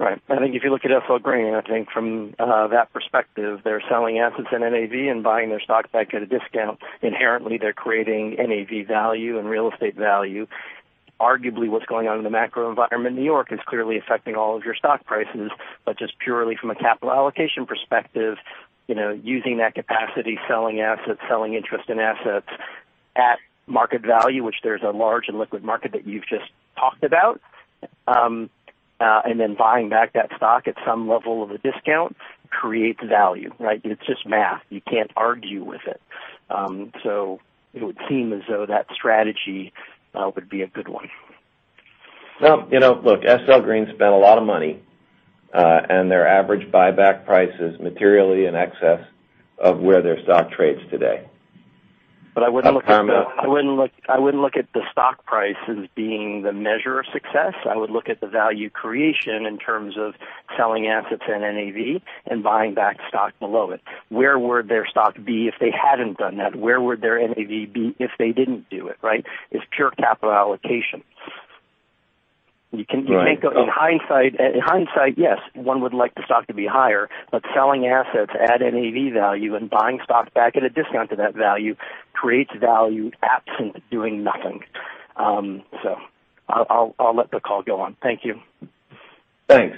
S11: Right. I think if you look at SL Green, I think from that perspective, they're selling assets in NAV and buying their stocks back at a discount. Inherently, they're creating NAV value and real estate value. Arguably, what's going on in the macro environment in New York is clearly affecting all of your stock prices. Just purely from a capital allocation perspective, using that capacity, selling assets, selling interest in assets at market value, which there's a large and liquid market that you've just talked about, and then buying back that stock at some level of a discount creates value, right? It's just math. You can't argue with it. It would seem as though that strategy would be a good one.
S6: Well, look, SL Green spent a lot of money, and their average buyback price is materially in excess of where their stock trades today.
S11: I wouldn't look at the stock price as being the measure of success. I would look at the value creation in terms of selling assets in NAV and buying back stock below it. Where would their stock be if they hadn't done that? Where would their NAV be if they didn't do it, right? It's pure capital allocation.
S6: Right.
S11: In hindsight, yes, one would like the stock to be higher, but selling assets at NAV value and buying stock back at a discount to that value creates value absent doing nothing. I'll let the call go on. Thank you.
S6: Thanks.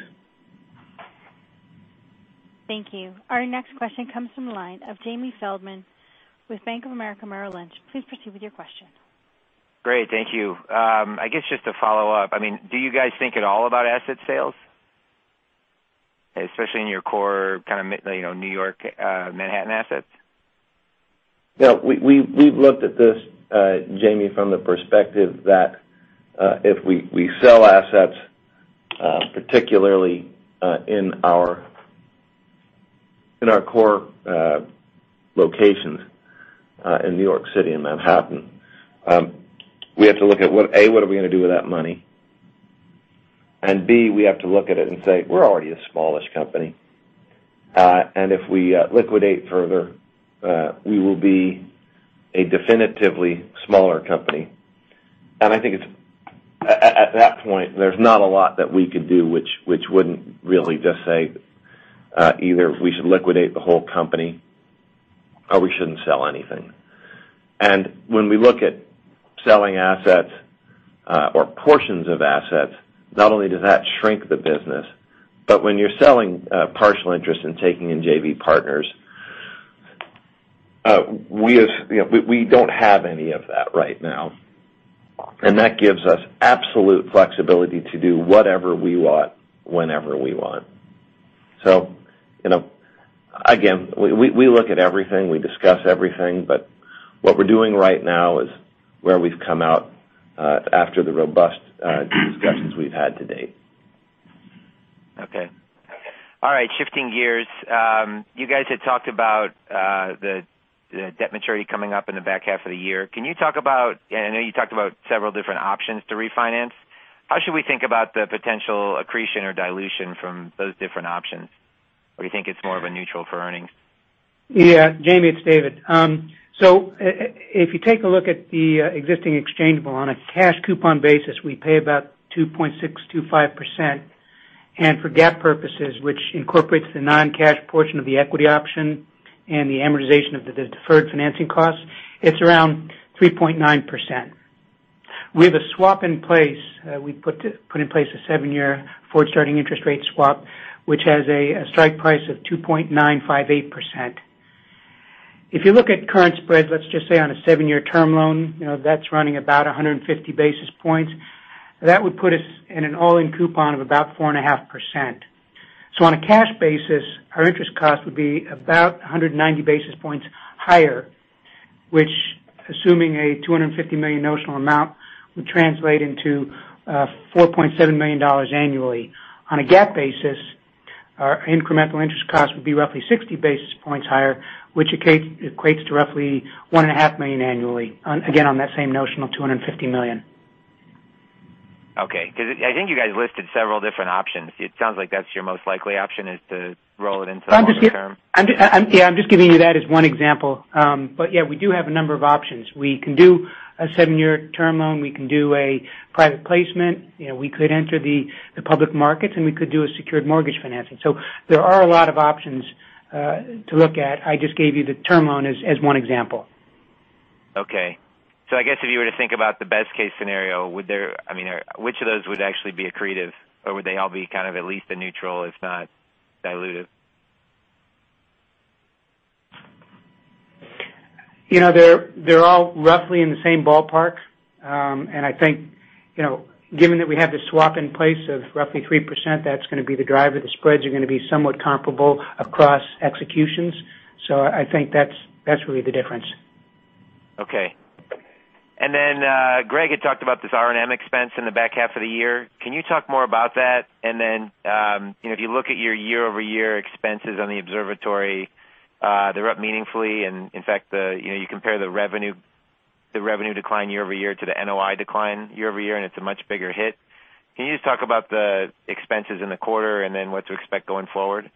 S1: Thank you. Our next question comes from the line of Jamie Feldman with Bank of America Merrill Lynch. Please proceed with your question.
S12: Great. Thank you. I guess just to follow up, do you guys think at all about asset sales, especially in your core kind of New York, Manhattan assets?
S6: We've looked at this, Jamie, from the perspective that if we sell assets, particularly in our core locations in New York City and Manhattan, we have to look at, A, what are we going to do with that money? B, we have to look at it and say, we're already a smallish company. If we liquidate further, we will be a definitively smaller company. I think at that point, there's not a lot that we could do, which wouldn't really just say, either we should liquidate the whole company, or we shouldn't sell anything. When we look at selling assets or portions of assets, not only does that shrink the business, but when you're selling partial interest and taking in JV partners, we don't have any of that right now. That gives us absolute flexibility to do whatever we want, whenever we want. Again, we look at everything, we discuss everything, but what we're doing right now is where we've come out after the robust discussions we've had to date.
S12: Okay. All right, shifting gears. You guys had talked about the debt maturity coming up in the back half of the year. I know you talked about several different options to refinance. How should we think about the potential accretion or dilution from those different options? Do you think it's more of a neutral for earnings?
S5: Yeah. Jamie, it's David. If you take a look at the existing exchangeable, on a cash coupon basis, we pay about 2.625%. For GAAP purposes, which incorporates the non-cash portion of the equity option and the amortization of the deferred financing costs, it's around 3.9%. We have a swap in place. We put in place a 7-year forward starting interest rate swap, which has a strike price of 2.958%. If you look at current spreads, let's just say on a 7-year term loan, that's running about 150 basis points. That would put us in an all-in coupon of about 4.5%. On a cash basis, our interest cost would be about 190 basis points higher, which assuming a $250 million notional amount, would translate into $4.7 million annually. On a GAAP basis, our incremental interest cost would be roughly 60 basis points higher, which equates to roughly $1.5 million annually, again, on that same notional $250 million.
S12: Okay. Because I think you guys listed several different options. It sounds like that's your most likely option is to roll it into a longer term.
S5: Yeah, I'm just giving you that as one example. Yeah, we do have a number of options. We can do a seven-year term loan. We can do a private placement. We could enter the public markets, and we could do a secured mortgage financing. There are a lot of options to look at. I just gave you the term loan as one example.
S12: Okay. I guess if you were to think about the best case scenario, which of those would actually be accretive? Would they all be kind of at least a neutral, if not dilutive?
S5: They're all roughly in the same ballpark. I think, given that we have the swap in place of roughly 3%, that's going to be the driver. The spreads are going to be somewhat comparable across executions. I think that's really the difference.
S12: Okay. Greg had talked about this R&M expense in the back half of the year. Can you talk more about that? If you look at your year-over-year expenses on the observatory, they're up meaningfully. In fact, you compare the revenue decline year-over-year to the NOI decline year-over-year, and it's a much bigger hit. Can you just talk about the expenses in the quarter and then what to expect going forward?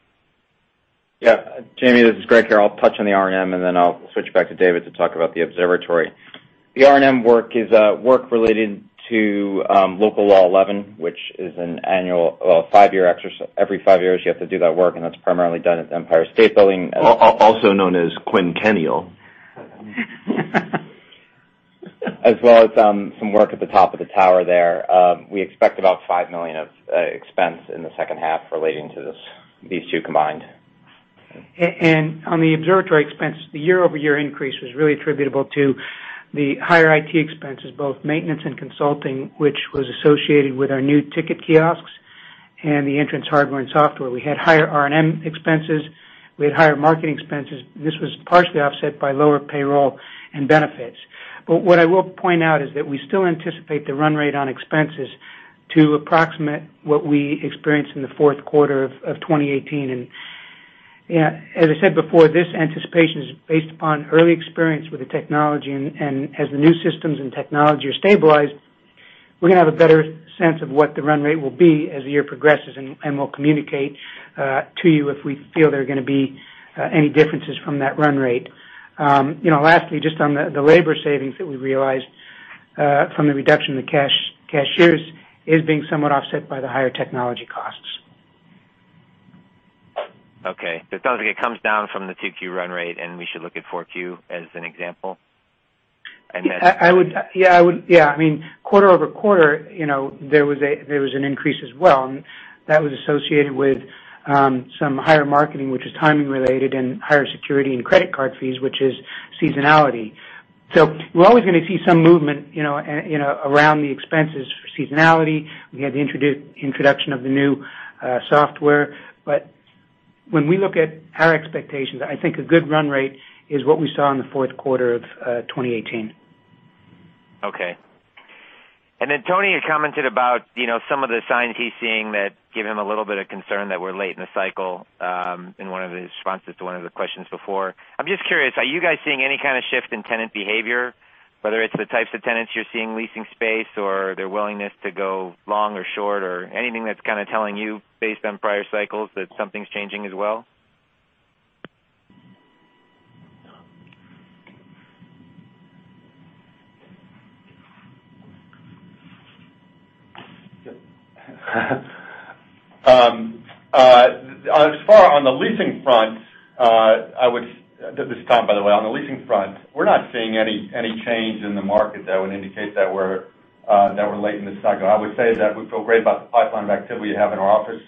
S13: Jamie, this is [Greg Carroll]. I'll touch on the R&M, and then I'll switch back to David to talk about the observatory. The R&M work is work related to Local Law 11, which is an every five years you have to do that work, and that's primarily done at the Empire State Building.
S12: Also known as quinquennial.
S13: As well as some work at the top of the tower there. We expect about $5 million of expense in the second half relating to these two combined.
S5: On the observatory expense, the year-over-year increase was really attributable to the higher IT expenses, both maintenance and consulting, which was associated with our new ticket kiosks and the entrance hardware and software. We had higher R&M expenses. We had higher marketing expenses. This was partially offset by lower payroll and benefits. What I will point out is that we still anticipate the run rate on expenses to approximate what we experienced in the fourth quarter of 2018, and as I said before, this anticipation is based upon early experience with the technology. As the new systems and technology are stabilized, we're going to have a better sense of what the run rate will be as the year progresses, and we'll communicate to you if we feel there are going to be any differences from that run rate. Just on the labor savings that we realized from the reduction in the cashiers is being somewhat offset by the higher technology costs.
S12: Okay. It sounds like it comes down from the 2Q run rate, and we should look at 4Q as an example?
S5: Yeah. Quarter-over-quarter, there was an increase as well, and that was associated with some higher marketing, which was timing related, and higher security and credit card fees, which is seasonality. We're always going to see some movement around the expenses for seasonality. We had the introduction of the new software. When we look at our expectations, I think a good run rate is what we saw in the fourth quarter of 2018.
S12: Okay. Tony had commented about some of the signs he's seeing that give him a little bit of concern that we're late in the cycle in one of his responses to one of the questions before. I'm just curious, are you guys seeing any kind of shift in tenant behavior, whether it's the types of tenants you're seeing leasing space or their willingness to go long or short or anything that's kind of telling you, based on prior cycles, that something's changing as well?
S4: As far on the leasing front, this is Tom, by the way. On the leasing front, we're not seeing any change in the market that would indicate that we're late in the cycle. I would say that we feel great about the pipeline of activity we have in our office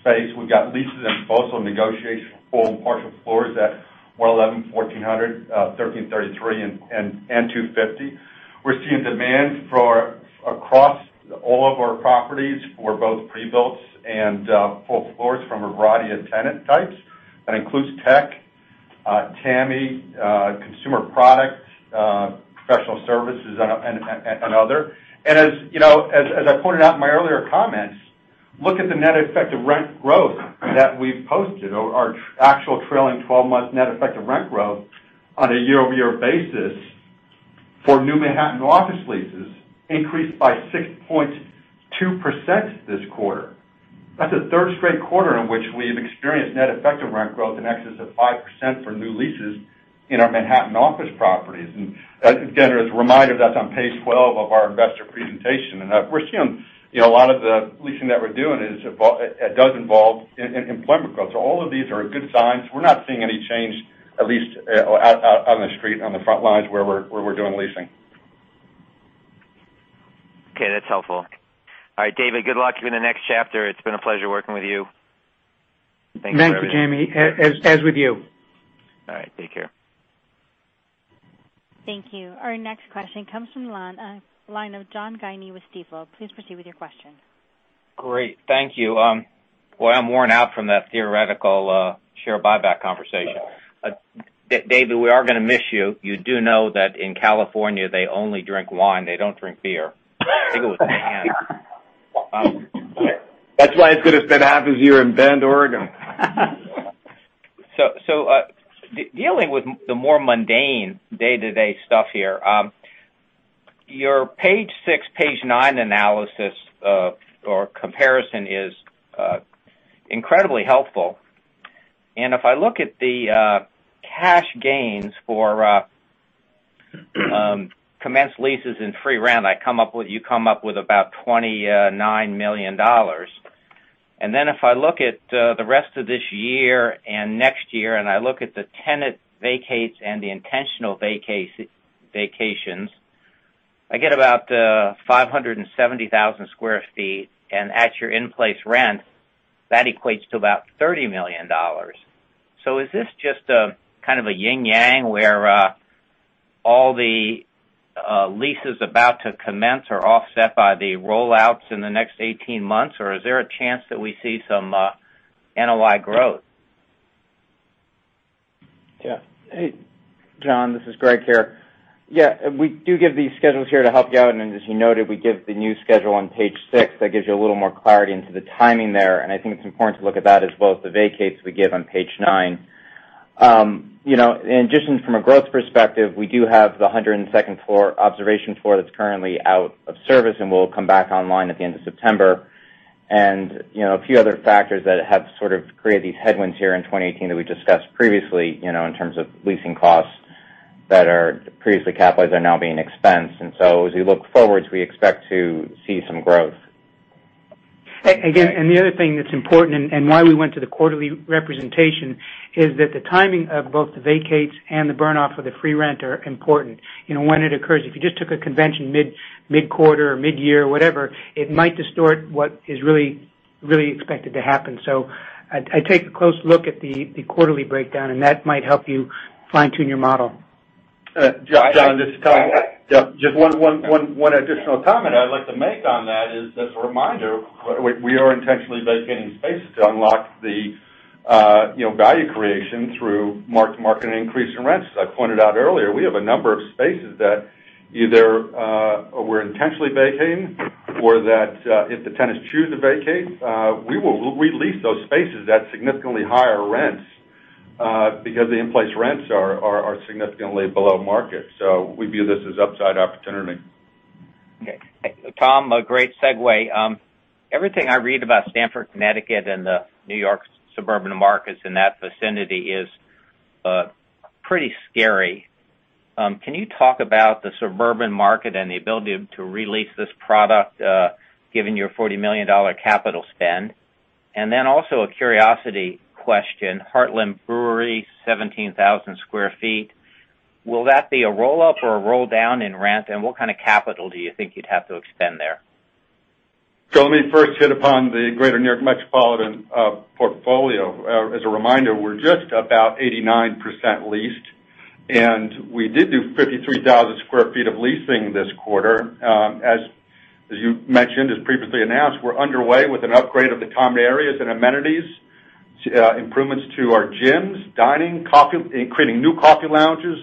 S4: space. We've got leases in proposal and negotiation for full and partial floors at 111, 1400, 1333, and 250. We're seeing demand across all of our properties for both pre-builts and full floors from a variety of tenant types. That includes tech, TAMI, consumer product, professional services, and other. As I pointed out in my earlier comments, look at the net effective rent growth that we've posted. Our actual trailing 12-month net effective rent growth on a year-over-year basis for new Manhattan office leases increased by 6.2% this quarter.
S13: That's a third straight quarter in which we've experienced net effective rent growth in excess of 5% for new leases in our Manhattan office properties. Again, as a reminder, that's on page 12 of our investor presentation. We're seeing a lot of the leasing that we're doing does involve employment growth. All of these are good signs. We're not seeing any change, at least out on the street, on the front lines where we're doing leasing.
S12: Okay, that's helpful. All right, David, good luck in the next chapter. It's been a pleasure working with you.
S5: Thank you, Jamie. As with you.
S12: All right, take care.
S1: Thank you. Our next question comes from the line of John Guinee with Stifel. Please proceed with your question.
S14: Great. Thank you. Boy, I'm worn out from that theoretical share buyback conversation. David, we are going to miss you. You do know that in California, they only drink wine. They don't drink beer. I think it was canned.
S6: That's why it's good to spend half his year in Bend, Oregon.
S14: Dealing with the more mundane day-to-day stuff here, your page six, page nine analysis or comparison is incredibly helpful. If I look at the cash gains for commenced leases in free rent, you come up with about $29 million. Then if I look at the rest of this year and next year, and I look at the tenant vacates and the intentional vacations, I get about 570,000 sq ft, and at your in-place rent, that equates to about $30 million. Is this just a kind of a yin yang, where all the leases about to commence are offset by the roll-outs in the next 18 months, or is there a chance that we see some NOI growth?
S13: Yeah. Hey, John. This is Greg here. We do give these schedules here to help you out, and as you noted, we give the new schedule on page six that gives you a little more clarity into the timing there, and I think it's important to look at that as well as the vacates we give on page nine. In addition from a growth perspective, we do have the 102nd floor observation floor that is currently out of service and will come back online at the end of September. A few other factors that have sort of created these headwinds here in 2018 that we discussed previously in terms of leasing costs that are previously capitalized are now being expensed. As we look forward, we expect to see some growth.
S5: Again, the other thing that's important, and why we went to the quarterly representation, is that the timing of both the vacates and the burn-off of the free rent are important. When it occurs, if you just took a convention mid-quarter or mid-year, whatever, it might distort what is really expected to happen. I'd take a close look at the quarterly breakdown, and that might help you fine-tune your model.
S4: John, this is Tom. Just one additional comment I'd like to make on that is, as a reminder, we are intentionally vacating spaces to unlock the value creation through mark-to-market increase in rents. As I pointed out earlier, we have a number of spaces that either we're intentionally vacating, or that if the tenants choose to vacate, we'd lease those spaces at significantly higher rents, because the in-place rents are significantly below market. We view this as upside opportunity.
S14: Okay. Tom, a great segue. Everything I read about Stamford, Connecticut, and the N.Y. suburban markets in that vicinity is pretty scary. Can you talk about the suburban market and the ability to re-lease this product given your $40 million capital spend? Also a curiosity question, Heartland Brewery, 17,000 sq ft. Will that be a roll-up or a roll-down in rent, and what kind of capital do you think you'd have to expend there?
S4: Let me first hit upon the greater New York Metropolitan portfolio. As a reminder, we're just about 89% leased. We did do 53,000 sq ft of leasing this quarter. As you mentioned, as previously announced, we're underway with an upgrade of the common areas and amenities, improvements to our gyms, dining, creating new coffee lounges,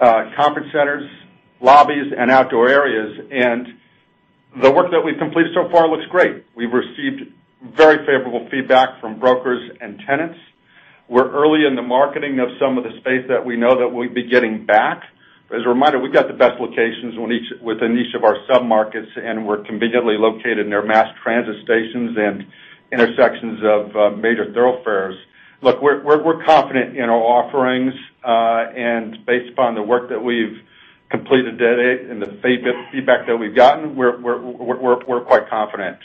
S4: conference centers, lobbies, and outdoor areas. The work that we've completed so far looks great. We've received very favorable feedback from brokers and tenants. We're early in the marketing of some of the space that we know that we'll be getting back. As a reminder, we got the best locations within each of our sub-markets, and we're conveniently located near mass transit stations and intersections of major thoroughfares. Look, we're confident in our offerings. Based upon the work that we've completed to date and the feedback that we've gotten, we're quite confident.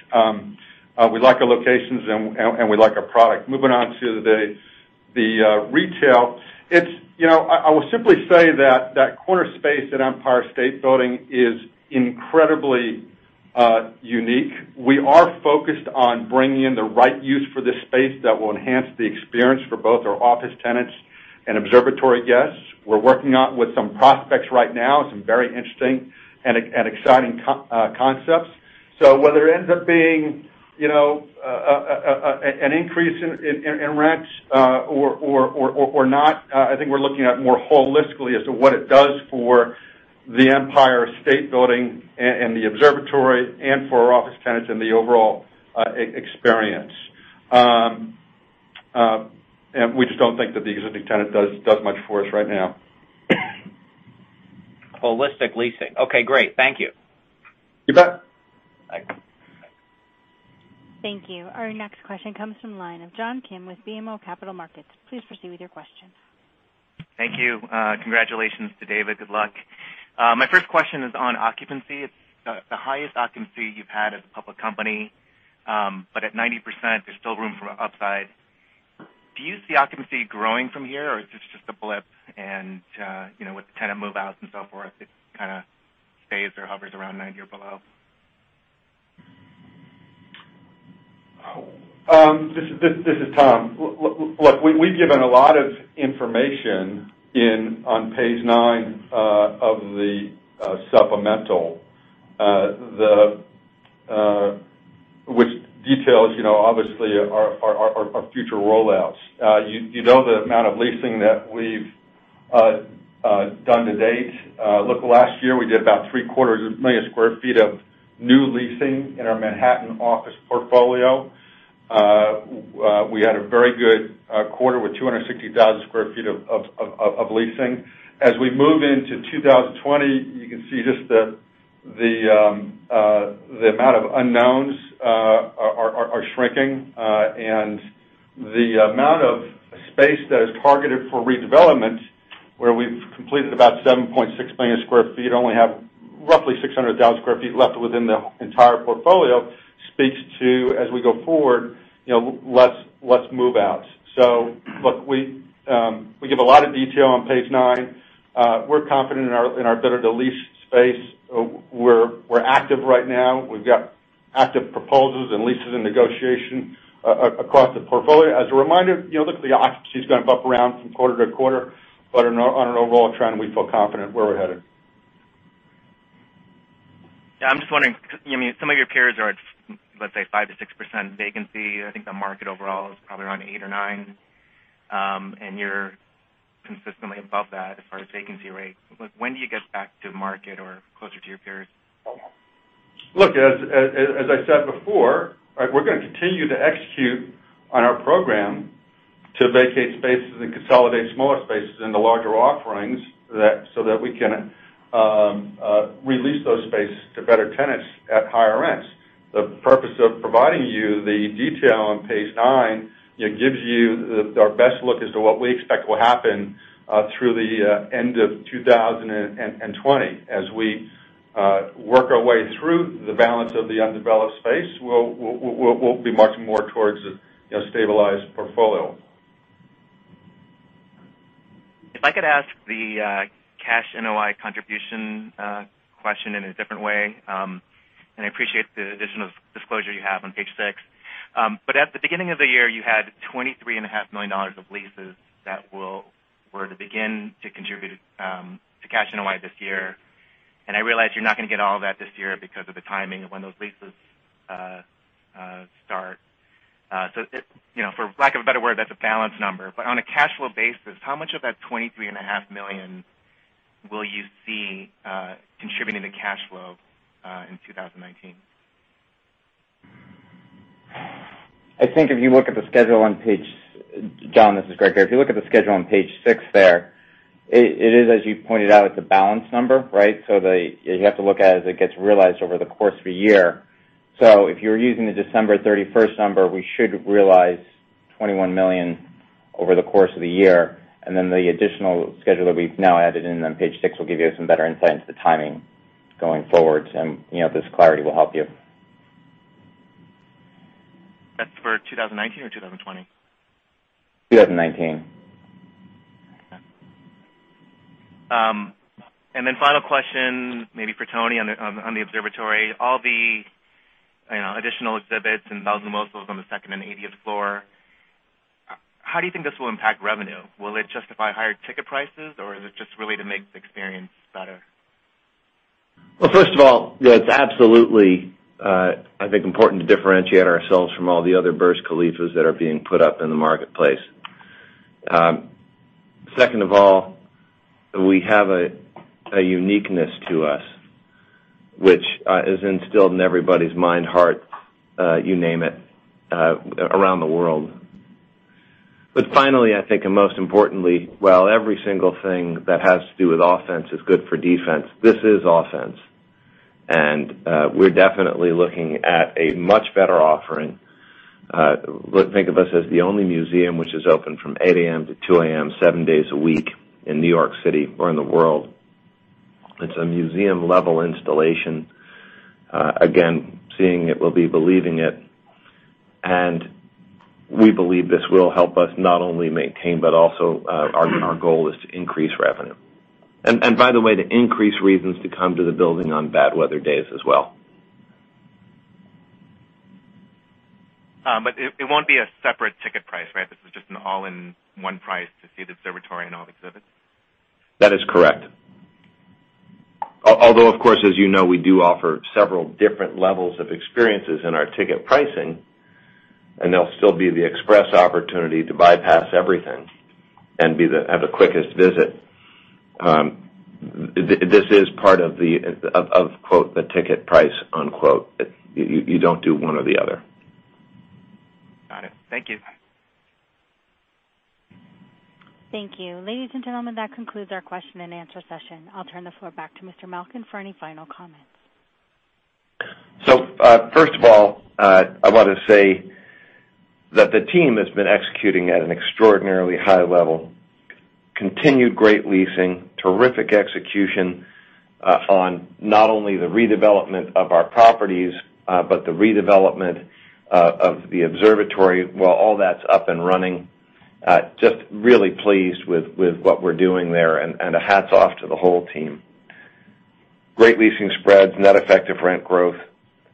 S4: We like our locations, we like our product. Moving on to the retail. I will simply say that that corner space at Empire State Building is incredibly unique. We are focused on bringing in the right use for this space that will enhance the experience for both our office tenants and observatory guests. We're working with some prospects right now, some very interesting and exciting concepts. Whether it ends up being an increase in rents or not, I think we're looking at more holistically as to what it does for the Empire State Building and the observatory and for our office tenants and the overall experience. We just don't think that the existing tenant does much for us right now.
S14: Holistic leasing. Okay, great. Thank you.
S4: You bet.
S14: Thanks.
S1: Thank you. Our next question comes from the line of John Kim with BMO Capital Markets. Please proceed with your question.
S15: Thank you. Congratulations to David. Good luck. My first question is on occupancy. It's the highest occupancy you've had as a public company. At 90%, there's still room for upside. Do you see occupancy growing from here, or is this just a blip, and with the tenant move-outs and so forth, it kind of stays or hovers around 90 or below?
S4: This is Tom. Look, we've given a lot of information on page nine of the supplemental, which details obviously our future roll-outs. You know the amount of leasing that we've done to date. Look, last year, we did about three quarters of a million square feet of new leasing in our Manhattan office portfolio. We had a very good quarter with 260,000 square feet of leasing. As we move into 2020, you can see just the amount of unknowns are shrinking, and the amount of space that is targeted for redevelopment, where we've completed about 7.6 million square feet, only have Roughly 600,000 square feet left within the entire portfolio speaks to, as we go forward, less move-outs. Look, we give a lot of detail on page nine. We're confident in our better lease space. We're active right now. We've got active proposals and leases and negotiation across the portfolio. As a reminder, look, the occupancy's going to bump around from quarter to quarter, but on an overall trend, we feel confident where we're headed.
S15: Yeah. I'm just wondering, some of your peers are at, let's say, 5% to 6% vacancy. I think the market overall is probably around 8% or 9%, and you're consistently above that as far as vacancy rate. When do you get back to market or closer to your peers?
S4: Look, as I said before, we're going to continue to execute on our program to vacate spaces and consolidate smaller spaces in the larger offerings, so that we can re-lease those spaces to better tenants at higher rents. The purpose of providing you the detail on page nine, it gives you our best look as to what we expect will happen through the end of 2020. As we work our way through the balance of the undeveloped space, we'll be much more towards a stabilized portfolio.
S15: If I could ask the cash NOI contribution question in a different way. I appreciate the addition of disclosure you have on page six. At the beginning of the year, you had $23.5 million of leases that were to begin to contribute to cash NOI this year. I realize you're not going to get all of that this year because of the timing of when those leases start. For lack of a better word, that's a balance number. On a cash flow basis, how much of that $23.5 million will you see contributing to cash flow in 2019?
S13: I think if you look at the schedule on page one, this is Greg here. If you look at the schedule on page six there, it is, as you pointed out, it's a balance number, right? You have to look at it as it gets realized over the course of a year. If you're using the December 31st number, we should realize $21 million over the course of the year, and then the additional schedule that we've now added in on page six will give you some better insight into the timing going forward, and this clarity will help you.
S15: That's for 2019 or 2020?
S13: 2019.
S15: Okay. Final question, maybe for Tony on the observatory. All the additional exhibits and bells and whistles on the second and 80th floor, how do you think this will impact revenue? Will it justify higher ticket prices, or is it just really to make the experience better?
S6: Well, first of all, yeah, it's absolutely, I think, important to differentiate ourselves from all the other Burj Khalifas that are being put up in the marketplace. Second of all, we have a uniqueness to us, which is instilled in everybody's mind, heart, you name it, around the world. Finally, I think, and most importantly, while every single thing that has to do with offense is good for defense, this is offense. We're definitely looking at a much better offering. Think of us as the only museum which is open from 8:00 A.M. to 2:00 A.M., 7 days a week in New York City or in the world. It's a museum-level installation. Again, seeing it will be believing it, and we believe this will help us not only maintain, but also our goal is to increase revenue. By the way, to increase reasons to come to the building on bad weather days as well.
S15: It won't be a separate ticket price, right? This is just an all-in-one price to see the observatory and all the exhibits?
S6: That is correct. Although, of course, as you know, we do offer several different levels of experiences in our ticket pricing, and there'll still be the express opportunity to bypass everything and have the quickest visit. This is part of quote, the ticket price, unquote. You don't do one or the other.
S15: Got it. Thank you.
S1: Thank you. Ladies and gentlemen, that concludes our question and answer session. I'll turn the floor back to Mr. Malkin for any final comments.
S6: First of all, I want to say that the team has been executing at an extraordinarily high level. Continued great leasing, terrific execution on not only the redevelopment of our properties, but the redevelopment of the observatory, while all that's up and running. Really pleased with what we're doing there, and a hats off to the whole team. Great leasing spreads, net effective rent growth,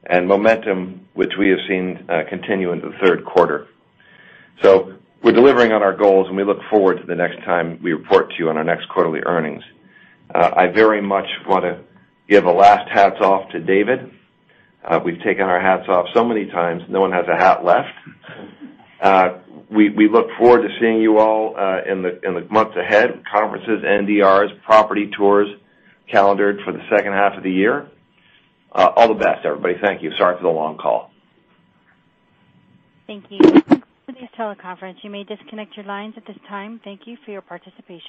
S6: and momentum, which we have seen continue into the third quarter. We're delivering on our goals, and we look forward to the next time we report to you on our next quarterly earnings. I very much want to give a last hats off to David. We've taken our hats off so many times, no one has a hat left. We look forward to seeing you all in the months ahead, conferences, NDRs, property tours calendared for the second half of the year. All the best, everybody. Thank you. Sorry for the long call.
S1: Thank you. That's all for this teleconference. You may disconnect your lines at this time. Thank you for your participation.